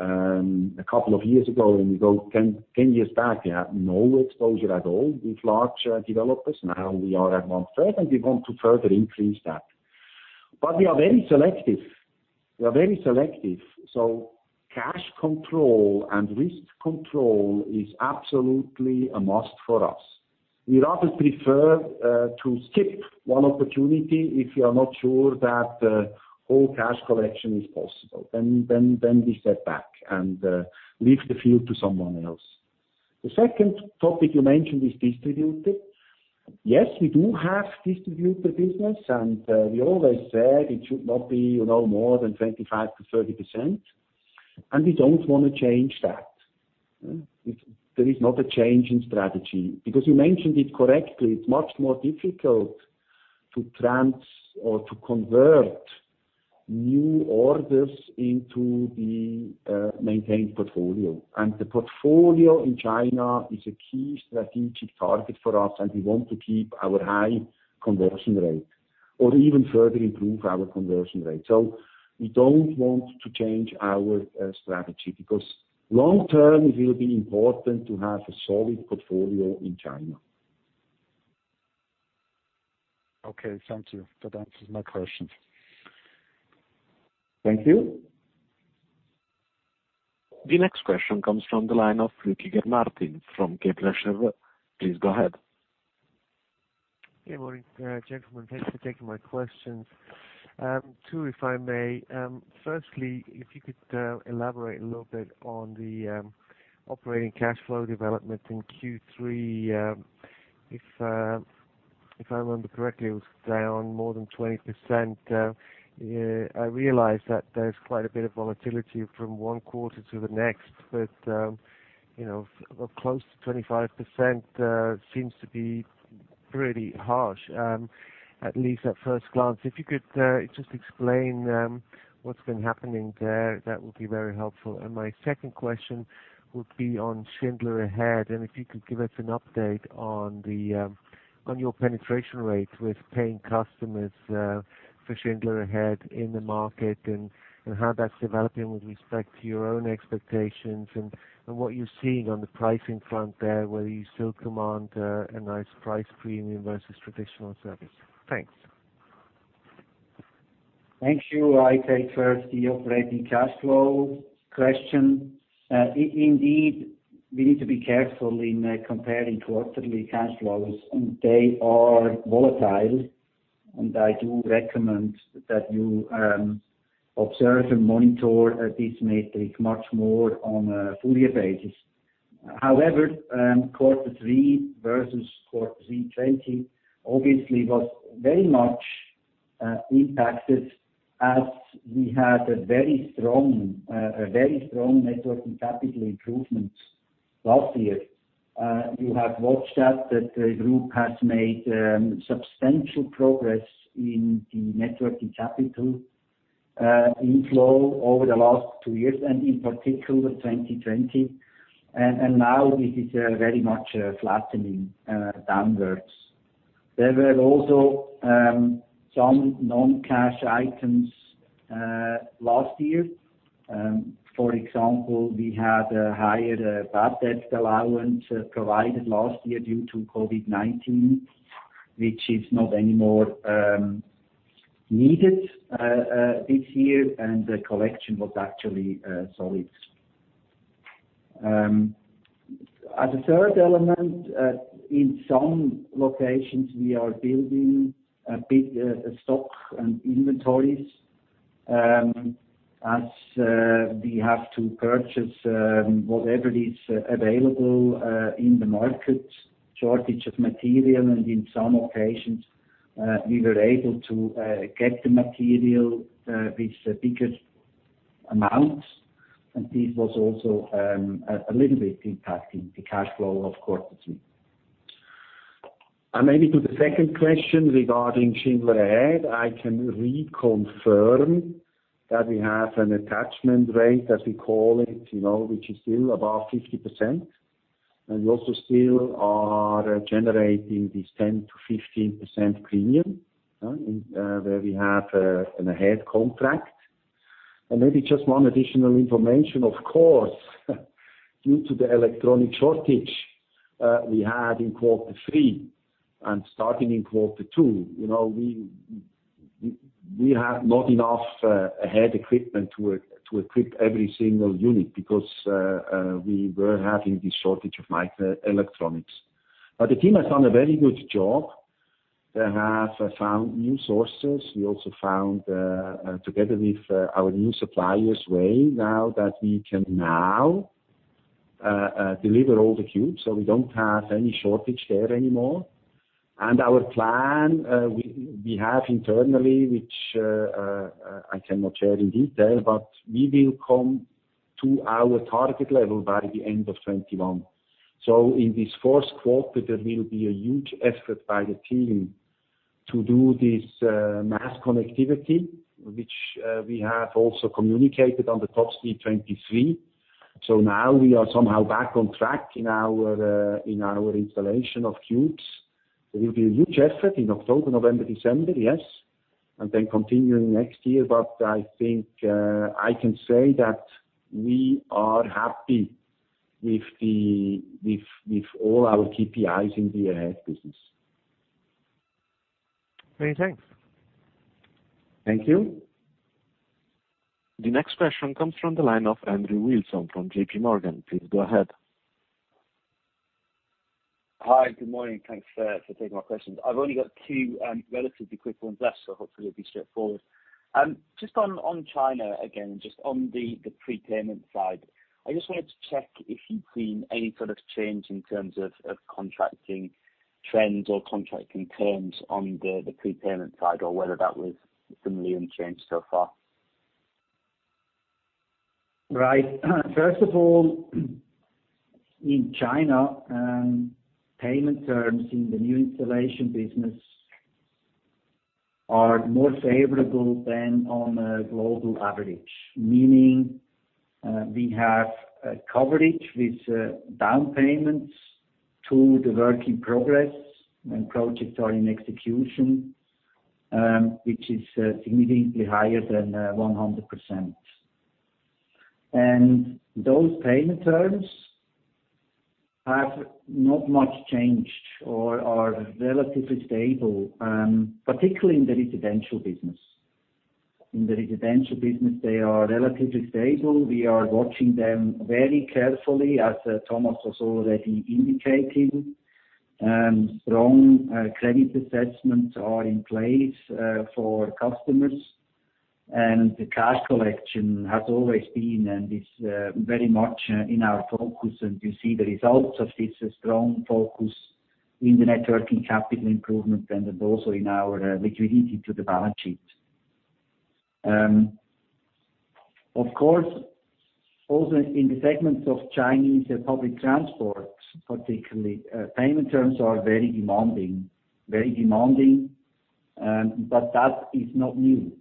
A couple of years ago, when we go 10 years back, we had no exposure at all with large developers now we are at 1/3, and we want to further increase that. We are very selective. Cash control and risk control is absolutely a must for us. We'd rather prefer to skip one opportunity if we are not sure that whole cash collection is possible, then we step back and leave the field to someone else. The second topic you mentioned is distributor. Yes, we do have distributor business and we always said it should not be more than 25%-30%. We don't want to change that. There is not a change in strategy. You mentioned it correctly, it's much more difficult to convert new orders into the maintained portfolio, and the portfolio in China is a key strategic target for us we want to keep our high conversion rate or even further improve our conversion rate. We don't want to change our strategy because long term, it will be important to have a solid portfolio in China. Okay, thank you. That answers my questions. Thank you. The next question comes from the line of Ricky German from Kepler Cheuvreux. Please go ahead. Good morning, gentlemen thanks for taking my questions. Two, if I may, firstly, if you could elaborate a little bit on the operating cash flow development in Q3. If I remember correctly, it was down more than 20%. I realize that there's quite a bit of volatility from one quarter to the next, but close to 25% seems to be pretty harsh, at least at first glance if you could just explain what's been happening there, that would be very helpful and my second question- -would be on Schindler Ahead, and if you could give us an update on your penetration rate with paying customers for Schindler Ahead in the market and how that's developing with respect to your own expectations and what you're seeing on the pricing front there, whether you still command a nice price premium versus traditional service. Thanks. Thank you. I take first the operating cash flow question. Indeed, we need to be careful in comparing quarterly cash flows they are volatile. I do recommend that you observe and monitor this metric much more on a full year basis. However, Q3 versus Q3 2020 obviously was very much impacted as we had a very strong net working capital improvements last year. You have watched that, the group has made substantial progress in the networking capital inflow over the last two years, and in particular 2020. Now this is very much flattening downwards. There were also some non-cash items last year. For example, we had a higher bad debt allowance provided last year due to COVID-19, which is not anymore needed this year, and the collection was actually solid. As a third element, in some locations, we are building a big stock and inventories, as we have to purchase whatever is available in the market, shortage of material, and in some locations, we were able to get the material with bigger amounts. This was also a little bit impacting the cash flow of Q3. Maybe to the second question regarding Schindler Ahead, I can reconfirm that we have an attachment rate, as we call it, which is still above 50%, and we also still are generating this 10%-15% premium, where we have an Ahead contract. Maybe just one additional information, of course, due to the electronic shortage we had in Q3 and starting in Q2, we had not enough Ahead equipment to equip every single unit because we were having this shortage of microelectronics. The team has done a very good job. They have found new sources we also found, together with our new suppliers, way now that we can now deliver all the Cubes, so we don't have any shortage there anymore. Our plan, we have internally, which I cannot share in detail, but we will come to our target level by the end of 2021. In this Q1, there will be a huge effort by the team to do this mass connectivity, which we have also communicated on the Top Speed 23. Now we are somehow back on track in our installation of Cubes. There will be a huge effort in October, November, December, yes, and then continuing next year but i think I can say that we are happy with all our KPIs in the Ahead business. Many thanks. Thank you. The next question comes from the line of Andrew Wilson from J.P. Morgan. Please go ahead. Hi. Good morning thanks for taking my questions i've only got two relatively quick ones left, so hopefully it'll be straightforward. Just on China, again, just on the prepayment side, I just wanted to check if you've seen any sort of change in terms of contracting trends or contracting terms on the prepayment side, or whether that was similarly unchanged so far. Right. First of all, in China, payment terms in the New Installation business are more favorable than on a global average. Meaning, we have coverage with down payments to the work in progress when projects are in execution, which is significantly higher than 100%. Those payment terms have not much changed or are relatively stable, particularly in the residential business. In the residential business, they are relatively stable, we are watching them very carefully, as Thomas was already indicating. Strong credit assessments are in place for customers, and the cash collection has always been and is very much in our focus, and you see the results of this strong focus in the net working capital improvement and also in our liquidity to the balance sheet. Of course, also in the segments of Chinese public transport particularly, payment terms are very demanding. That is not new.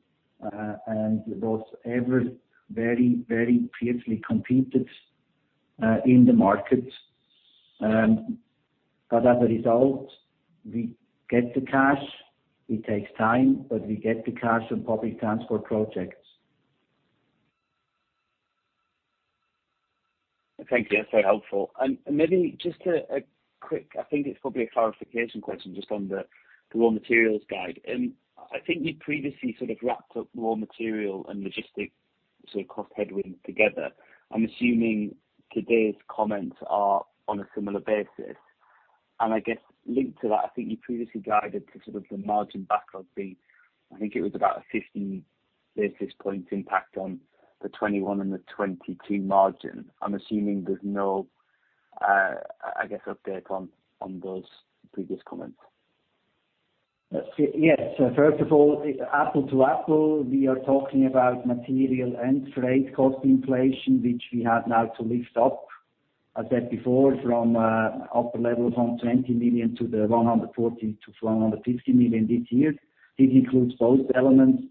Those ever very fiercely competed in the market. As a result, we get the cash. It takes time, but we get the cash on public transport projects. Thank you. That's very helpful and maybe just a quick, I think it's probably a clarification question, just on the raw materials guide. I think you previously sort of wrapped up raw material and logistics cost headwinds together. I'm assuming today's comments are on a similar basis. I guess linked to that, I think you previously guided to sort of the margin backlog being, I think it was about a 50 basis points impact on the 2021 and the 2022 margin. I'm assuming there's no, I guess, update on those previous comments. First of all, apple to apple, we are talking about material and freight cost inflation, which we have now to lift up, I said before, from upper level of 120 million to the 140-150 million this year. This includes both elements.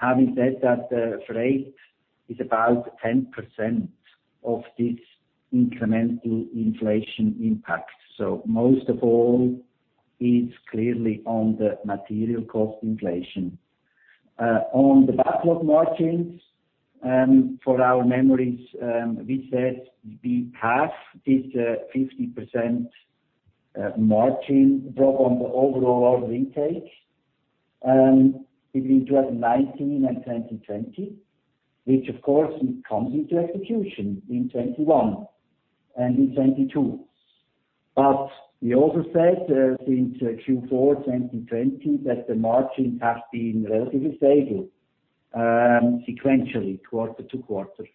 Having said that, freight is about 10% of this incremental inflation impact so most of all, it's clearly on the material cost inflation. On the backlog margins, for our memories, we said we have this 50% margin drop on the overall order intake between 2019 and 2020, which of course comes into execution in 2021 and in 2022. We also said since Q4 2020 that the margin has been relatively stable sequentially quarter-to-quarter.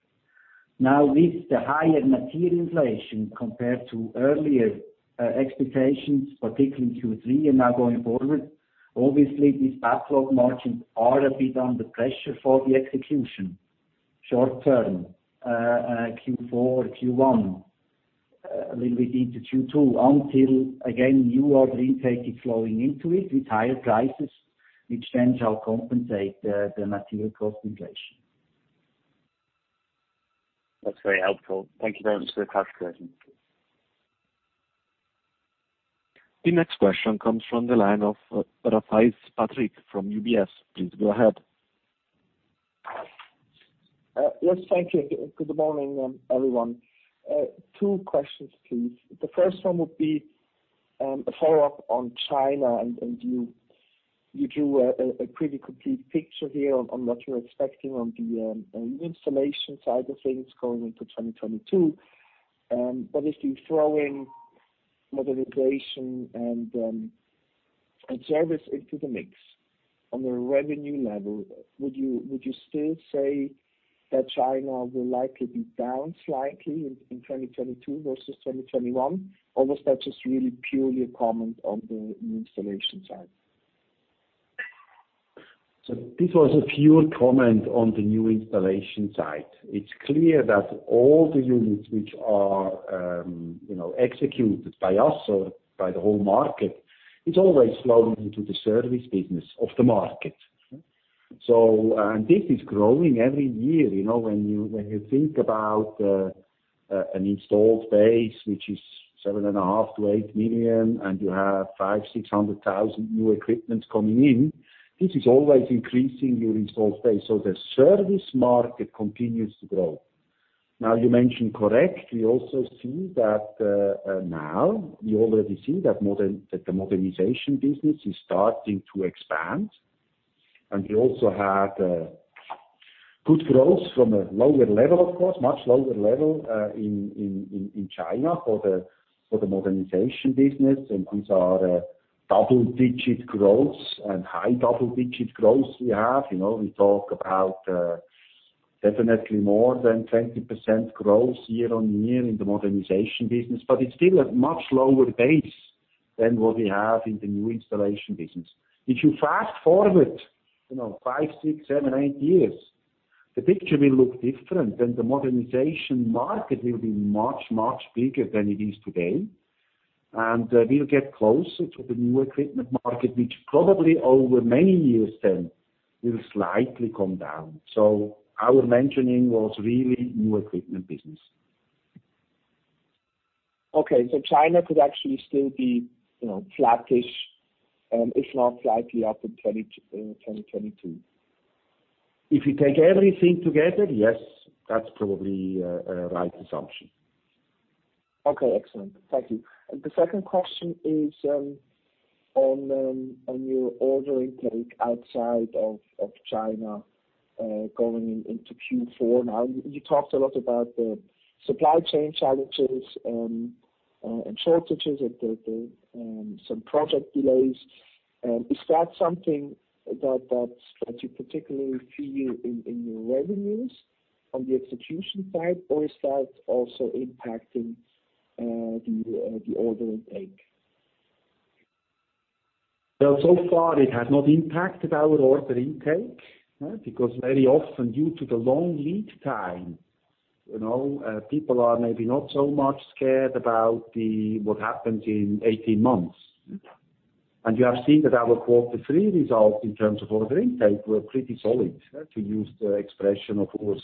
Now with the higher material inflation compared to earlier expectations, particularly in Q3 and now going forward, obviously these backlog margins are a bit under pressure for the execution short term, Q4, Q1, a little bit into Q2, until again, new order intake is flowing into it with higher prices, which then shall compensate the material cost inflation. That's very helpful. Thank you very much for the clarification. The next question comes from the line of Patrick Rafaisz from UBS. Please go ahead. Yes, thank you good morning, everyone. Two questions, please the first one would be, a follow-up on China you drew a pretty complete picture here on what you're expecting on the New Installation side of things going into 2022. If you throw in Modernization and service into the mix on a revenue level, would you still say that China will likely be down slightly in 2022 versus 2021? Was that just really purely a comment on the New Installation side? This was a pure comment on the New Installation side. It's clear that all the units which are executed by us or by the whole market, it always flows into the service business of the market. This is growing every year you know when you think about an installed base, which is 7.5 million-8 million, and you have 500,000, 600,000 new equipment coming in, this is always increasing your installed base the service market continues to grow. You mentioned correct, we also see that now, we already see that the Modernization business is starting to expand, and we also had good growth from a lower level, of course, much lower level, in China for the Modernization business these are double-digit growth and high double-digit growth we have. We talk about definitely more than 20% growth year-over-year in the Modernization business, but it's still a much lower base than what we have in the New Installation business. If you fast-forward five, six, seven, eight years, the picture will look different, and the Modernization market will be much, much bigger than it is today. We'll get closer to the New Installation market, which probably over many years then will slightly come down. Our mentioning was really New Installation business. Okay. China could actually still be flattish, if not slightly up in 2022. If you take everything together, yes. That's probably a right assumption. Okay, excellent. Thank you the second question is on your order intake outside of China, going into Q4 now you talked a lot about the supply chain challenges, and shortages and some project delays. Is that something that you particularly feel in your revenues? on the execution side? or is that also impacting the order intake? So far it has not impacted our order intake. Very often, due to the long lead time, people are maybe not so much scared about what happens in 18 months. You have seen that our Q3 results in terms of order intake were pretty solid, to use the expression, of course.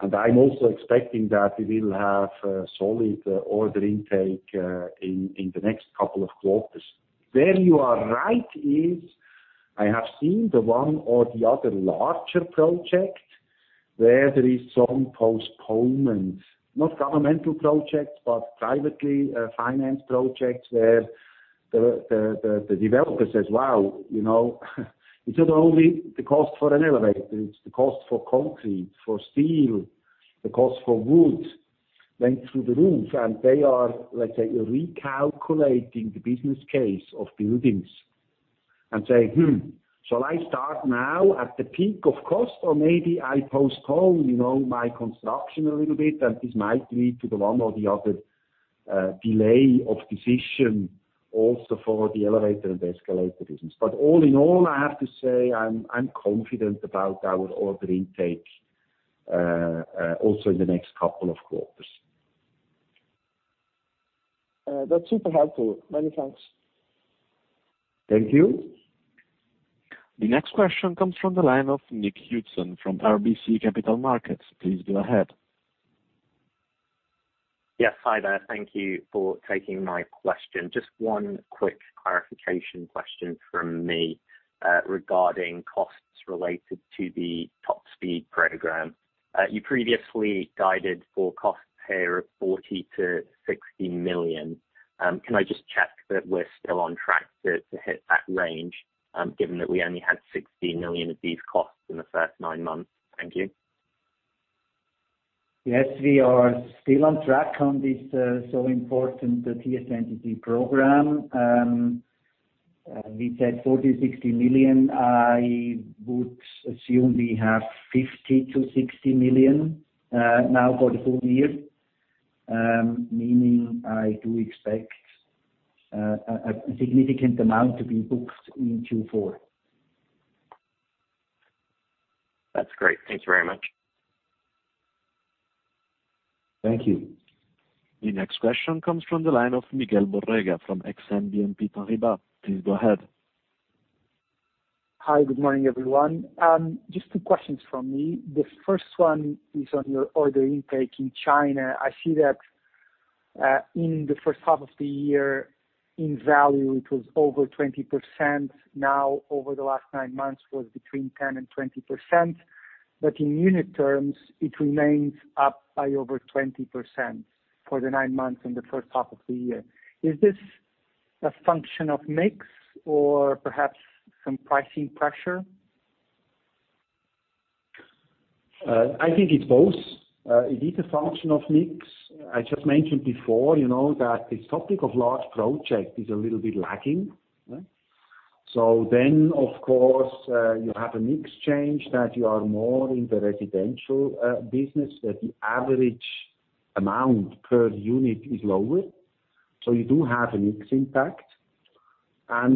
I'm also expecting that we will have solid order intake in the next couple of quarters. Where you are right is I have seen the one or the other larger project where there is some postponement, not governmental projects, but privately financed projects where- The developer says, "Wow," it's not only the cost for an elevator, it's the cost for concrete, for steel, the cost for wood went through the roof and they are, let's say, recalculating the business case of buildings and saying, "Hmm, shall I start now at the peak of cost? Maybe I postpone my construction a little bit," This might lead to the one or the other delay of decision also for the elevator and escalator business but all in all, I have to say, I'm confident about our order intake also in the next couple of quarters. That's super helpful. Many thanks. Thank you. The next question comes from the line of Dominic Hudson from RBC Capital Markets. Please go ahead. Yes, hi there thank you for taking my question just one quick clarification question from me, regarding costs related to the Top Speed program. You previously guided for cost here of 40 million-60 million. Can I just check that we're still on track to hit that range? given that we only had 60 million of these costs in the first nine months? Thank you. We are still on track on this so important TS23 program. We said 40 million-60 million i would assume we have 50 million-60 million now for the full year, meaning I do expect a significant amount to be booked in Q4. That's great. Thanks very much. Thank you. The next question comes from the line of Miguel Borrega from Exane BNP Paribas. Please go ahead. Hi, good morning, everyone. Just two questions from me the first one is on your order intake in China i see that in the first half of the year, in value, it was over 20%, now over the last nine months was between 10% and 20%, but in unit terms, it remains up by over 20% for the nine months in the first half of the year. Is this a function of mix? or perhaps some pricing pressure? I think it is both. It is a function of mix. I just mentioned before, that this topic of large project is a little bit lacking. Of course, you have a mix change that you are more in the residential business, that the average amount per unit is lower, you do have a mix impact. As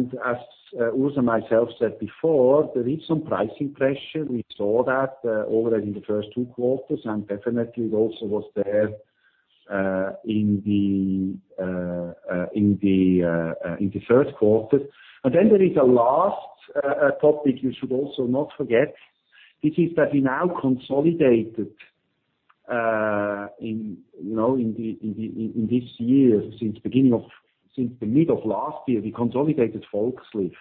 Urs Scheidegger myself said before, there is some pricing pressure we saw that already in the first two quarters, and definitely it also was there in the Q3. There is a last topic you should also not forget. It is that we now consolidated in this year, since the mid of last year, we consolidated Volkslift.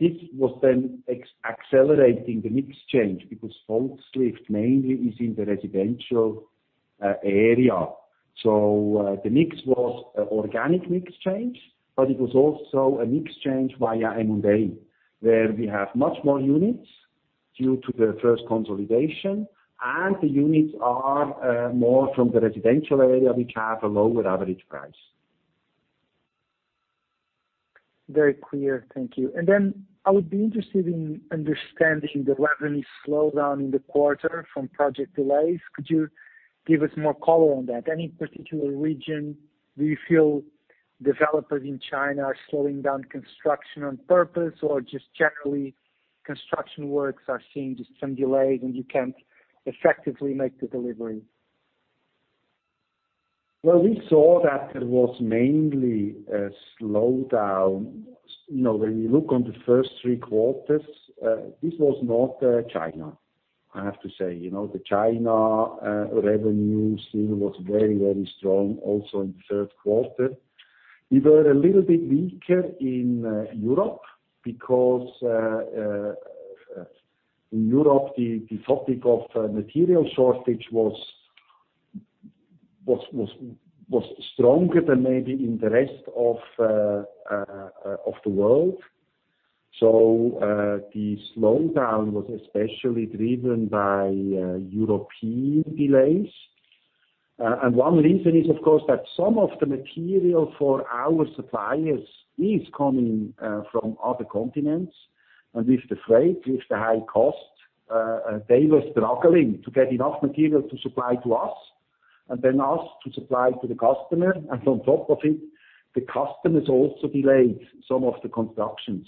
This was then accelerating the mix change, because Volkslift mainly is in the residential area. The mix was organic mix change, but it was also a mix change via M&A, where we have much more units due to the first consolidation and the units are more from the residential area, which have a lower average price. Very clear thank you. Then I would be interested in understanding the revenue slowdown in the quarter from project delays could you give us more color on that? Any particular region, do you feel developers in China are slowing down construction on purpose? or just generally construction works are seeing just some delays and you can't effectively make the delivery? Well we saw that there was mainly a slowdown. When you look on the first three quarters, this was not China, I have to say you know the China revenue still was very, very strong also in the Q3. We were a little bit weaker in Europe because, in Europe, the topic of material shortage was stronger than maybe in the rest of the world. The slowdown was especially driven by European delays. One reason is, of course, that some of the material for our suppliers is coming from other continents. With the freight, with the high cost, they were struggling to get enough material to supply to us and then us to supply to the customer on top of it, the customers also delayed some of the constructions.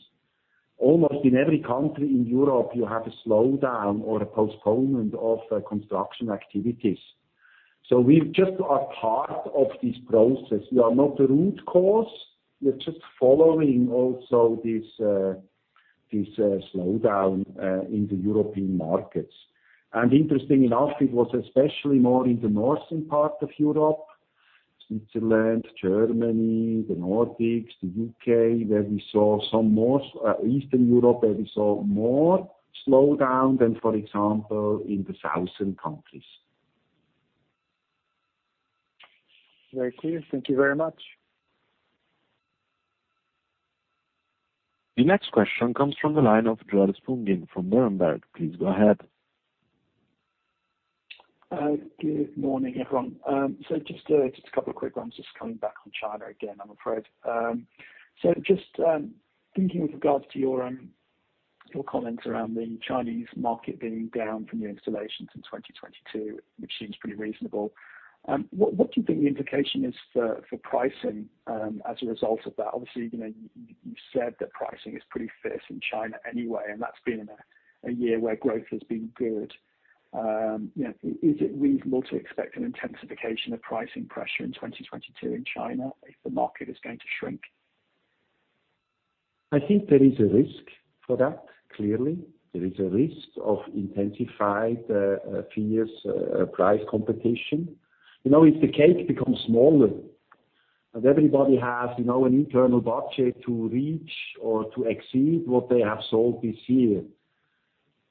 Almost in every country in Europe, you have a slowdown or a postponement of construction activities. We just are part of this process we are not the root cause. We are just following also this slowdown in the European markets. Interestingly enough, it was especially more in the northern part of Europe, Switzerland, Germany, the Nordics, the U.K., Eastern Europe, where we saw more slowdown than, for example, in the southern countries. Very clear. Thank you very much. The next question comes from the line of Joel Spungin from Berenberg. Please go ahead. Good morning, everyone. Just a couple of quick ones just coming back on China again, I'm afraid. Just thinking with regards to your comments around the Chinese market being down from your installations in 2022, which seems pretty reasonable, what do you think the implication is for pricing as a result of that? obviously, you've said that pricing is pretty fierce in China anyway, and that's been a year where growth has been good. Is it reasonable to expect an intensification of pricing pressure in 2022 in China if the market is going to shrink? I think there is a risk for that clearly, there is a risk of intensified fierce price competition. If the cake becomes smaller and everybody has an internal budget to reach or to exceed what they have sold this year,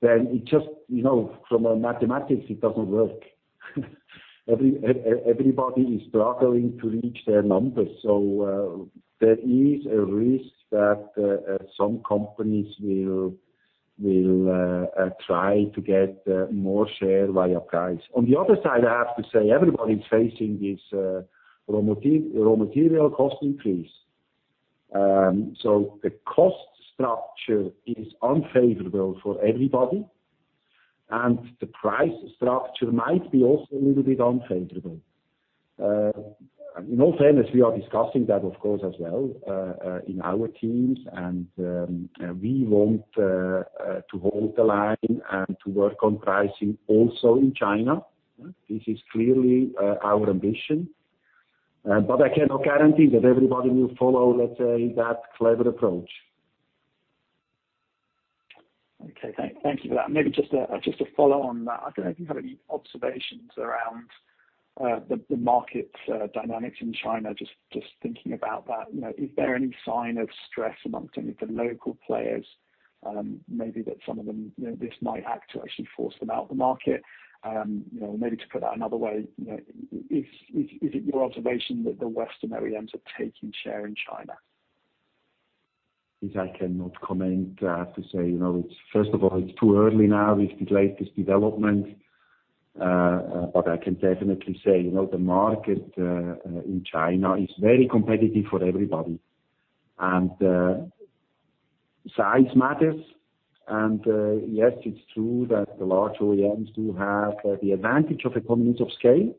then from mathematics, it doesn't work. Everybody is struggling to reach their numbers. There is a risk that some companies will try to get more share via price and on the other side, I have to say, everybody's facing this raw material cost increase. The cost structure is unfavorable for everybody, and the price structure might be also a little bit unfavorable. In all fairness, we are discussing that, of course, as well in our teams, and we want to hold the line and to work on pricing also in China. This is clearly our ambition. I cannot guarantee that everybody will follow, let's say, that clever approach. Okay. Thank you for that maybe just to follow on that, I don't know if you have any observations around the market dynamics in China just thinking about that, is there any sign of stress amongst any of the local players? Maybe that some of them, this might act to actually force them out of the market? maybe to put that another way, is it your observation that the Western OEMs are taking share in China? This I cannot comment, i have to say, first of all, it's too early now with the latest development. I can definitely say, the market in China is very competitive for everybody, and size matters. Yes, it's true that the large OEMs do have the advantage of economies of scale,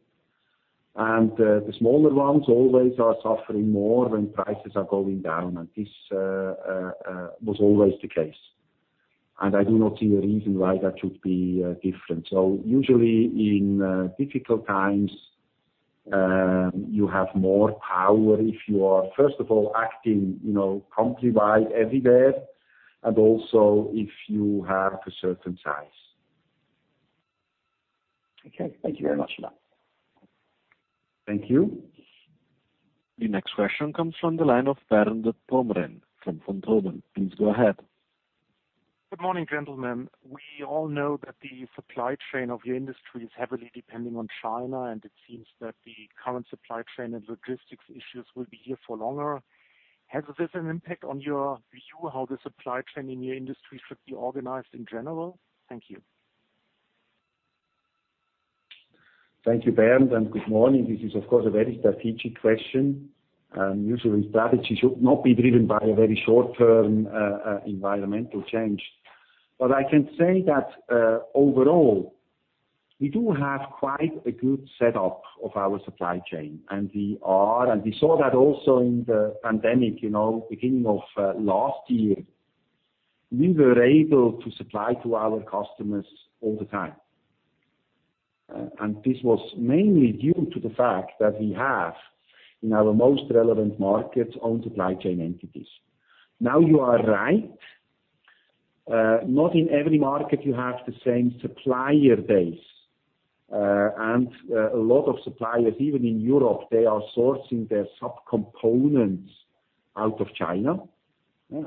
and the smaller ones always are suffering more when prices are going down this was always the case, and I do not see a reason why that should be different so, usually in difficult times, you have more power if you are, first of all, acting company-wide, everywhere, and also if you have a certain size. Okay. Thank you very much for that. Thank you. The next question comes from the line of Bernd Pomrehn from Vontobel. Please go ahead. Good morning, gentlemen. We all know that the supply chain of your industry is heavily depending on China, and it seems that the current supply chain and logistics issues will be here for longer. Has this an impact on your view of how the supply chain in your industry should be organized in general? Thank you. Thank you, Bernd and good morning this is, of course, a very strategic question. Usually, strategy should not be driven by a very short-term environmental change. I can say that overall, we do have quite a good setup of our supply chain and we saw that also in the pandemic, beginning of last year. We were able to supply to our customers all the time. This was mainly due to the fact that we have, in our most relevant markets, own supply chain entities. You are right, not in every market you have the same supplier base. A lot of suppliers, even in Europe, they are sourcing their sub-components out of China.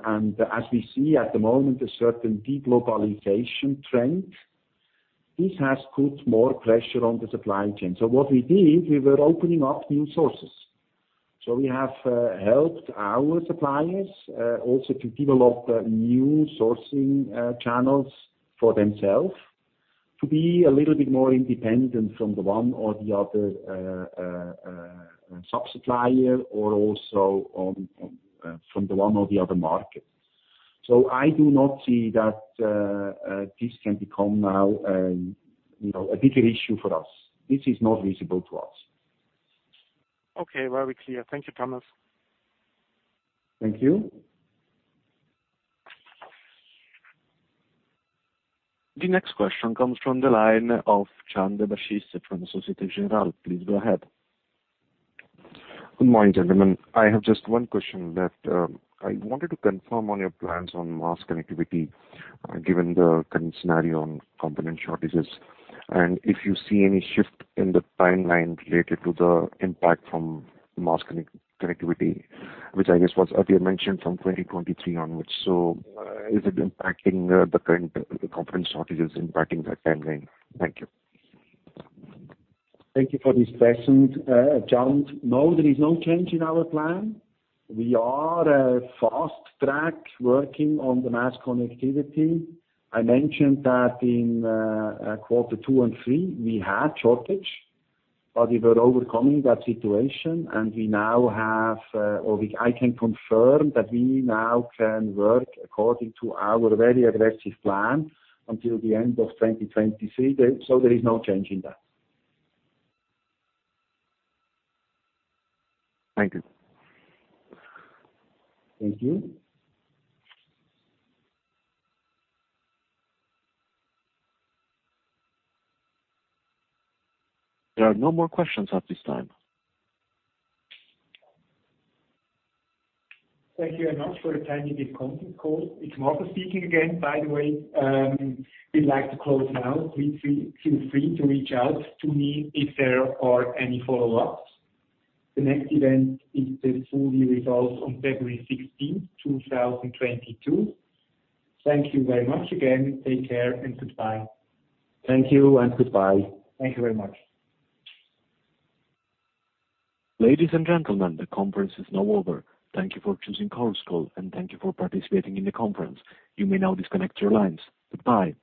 As we see at the moment, a certain de-globalization trend, this has put more pressure on the supply chain what we did, we were opening up new sources. We have helped our suppliers also to develop new sourcing channels for themselves, to be a little bit more independent from the one or the other sub-supplier, or also from the one or the other market. I do not see that this can become now a bigger issue for us. This is not visible to us. Okay. Very clear. Thank you, Thomas. Thank you. The next question comes from the line of Chand Bashist from Societe Generale. Please go ahead. Good morning, gentlemen. I have just one question that I wanted to confirm on your plans on mass connectivity, given the current scenario on component shortages, and if you see any shift in the timeline related to the impact from mass connectivity, which I guess was earlier mentioned from 2023 onwards. Is the current component shortages impacting that timeline? Thank you. Thank you for this question, Chand, no, there is no change in our plan. We are fast track working on the mass connectivity. I mentioned that in Q and 3, we had shortage, but we were overcoming that situation, and I can confirm that we now can work according to our very aggressive plan until the end of 2023. There is no change in that. Thank you. Thank you. There are no more questions at this time. Thank you very much for attending this conference call. It's Marco speaking again, by the way. We'd like to close now. Please feel free to reach out to me if there are any follow-ups. The next event is the full year results on 16 February 2022. Thank you very much again, take care, and goodbye. Thank you, and goodbye. Thank you very much. Ladies and gentlemen, the conference is now over. Thank you for choosing FreeConferenceCall.com, and thank you for participating in the conference. You may now disconnect your lines. Goodbye.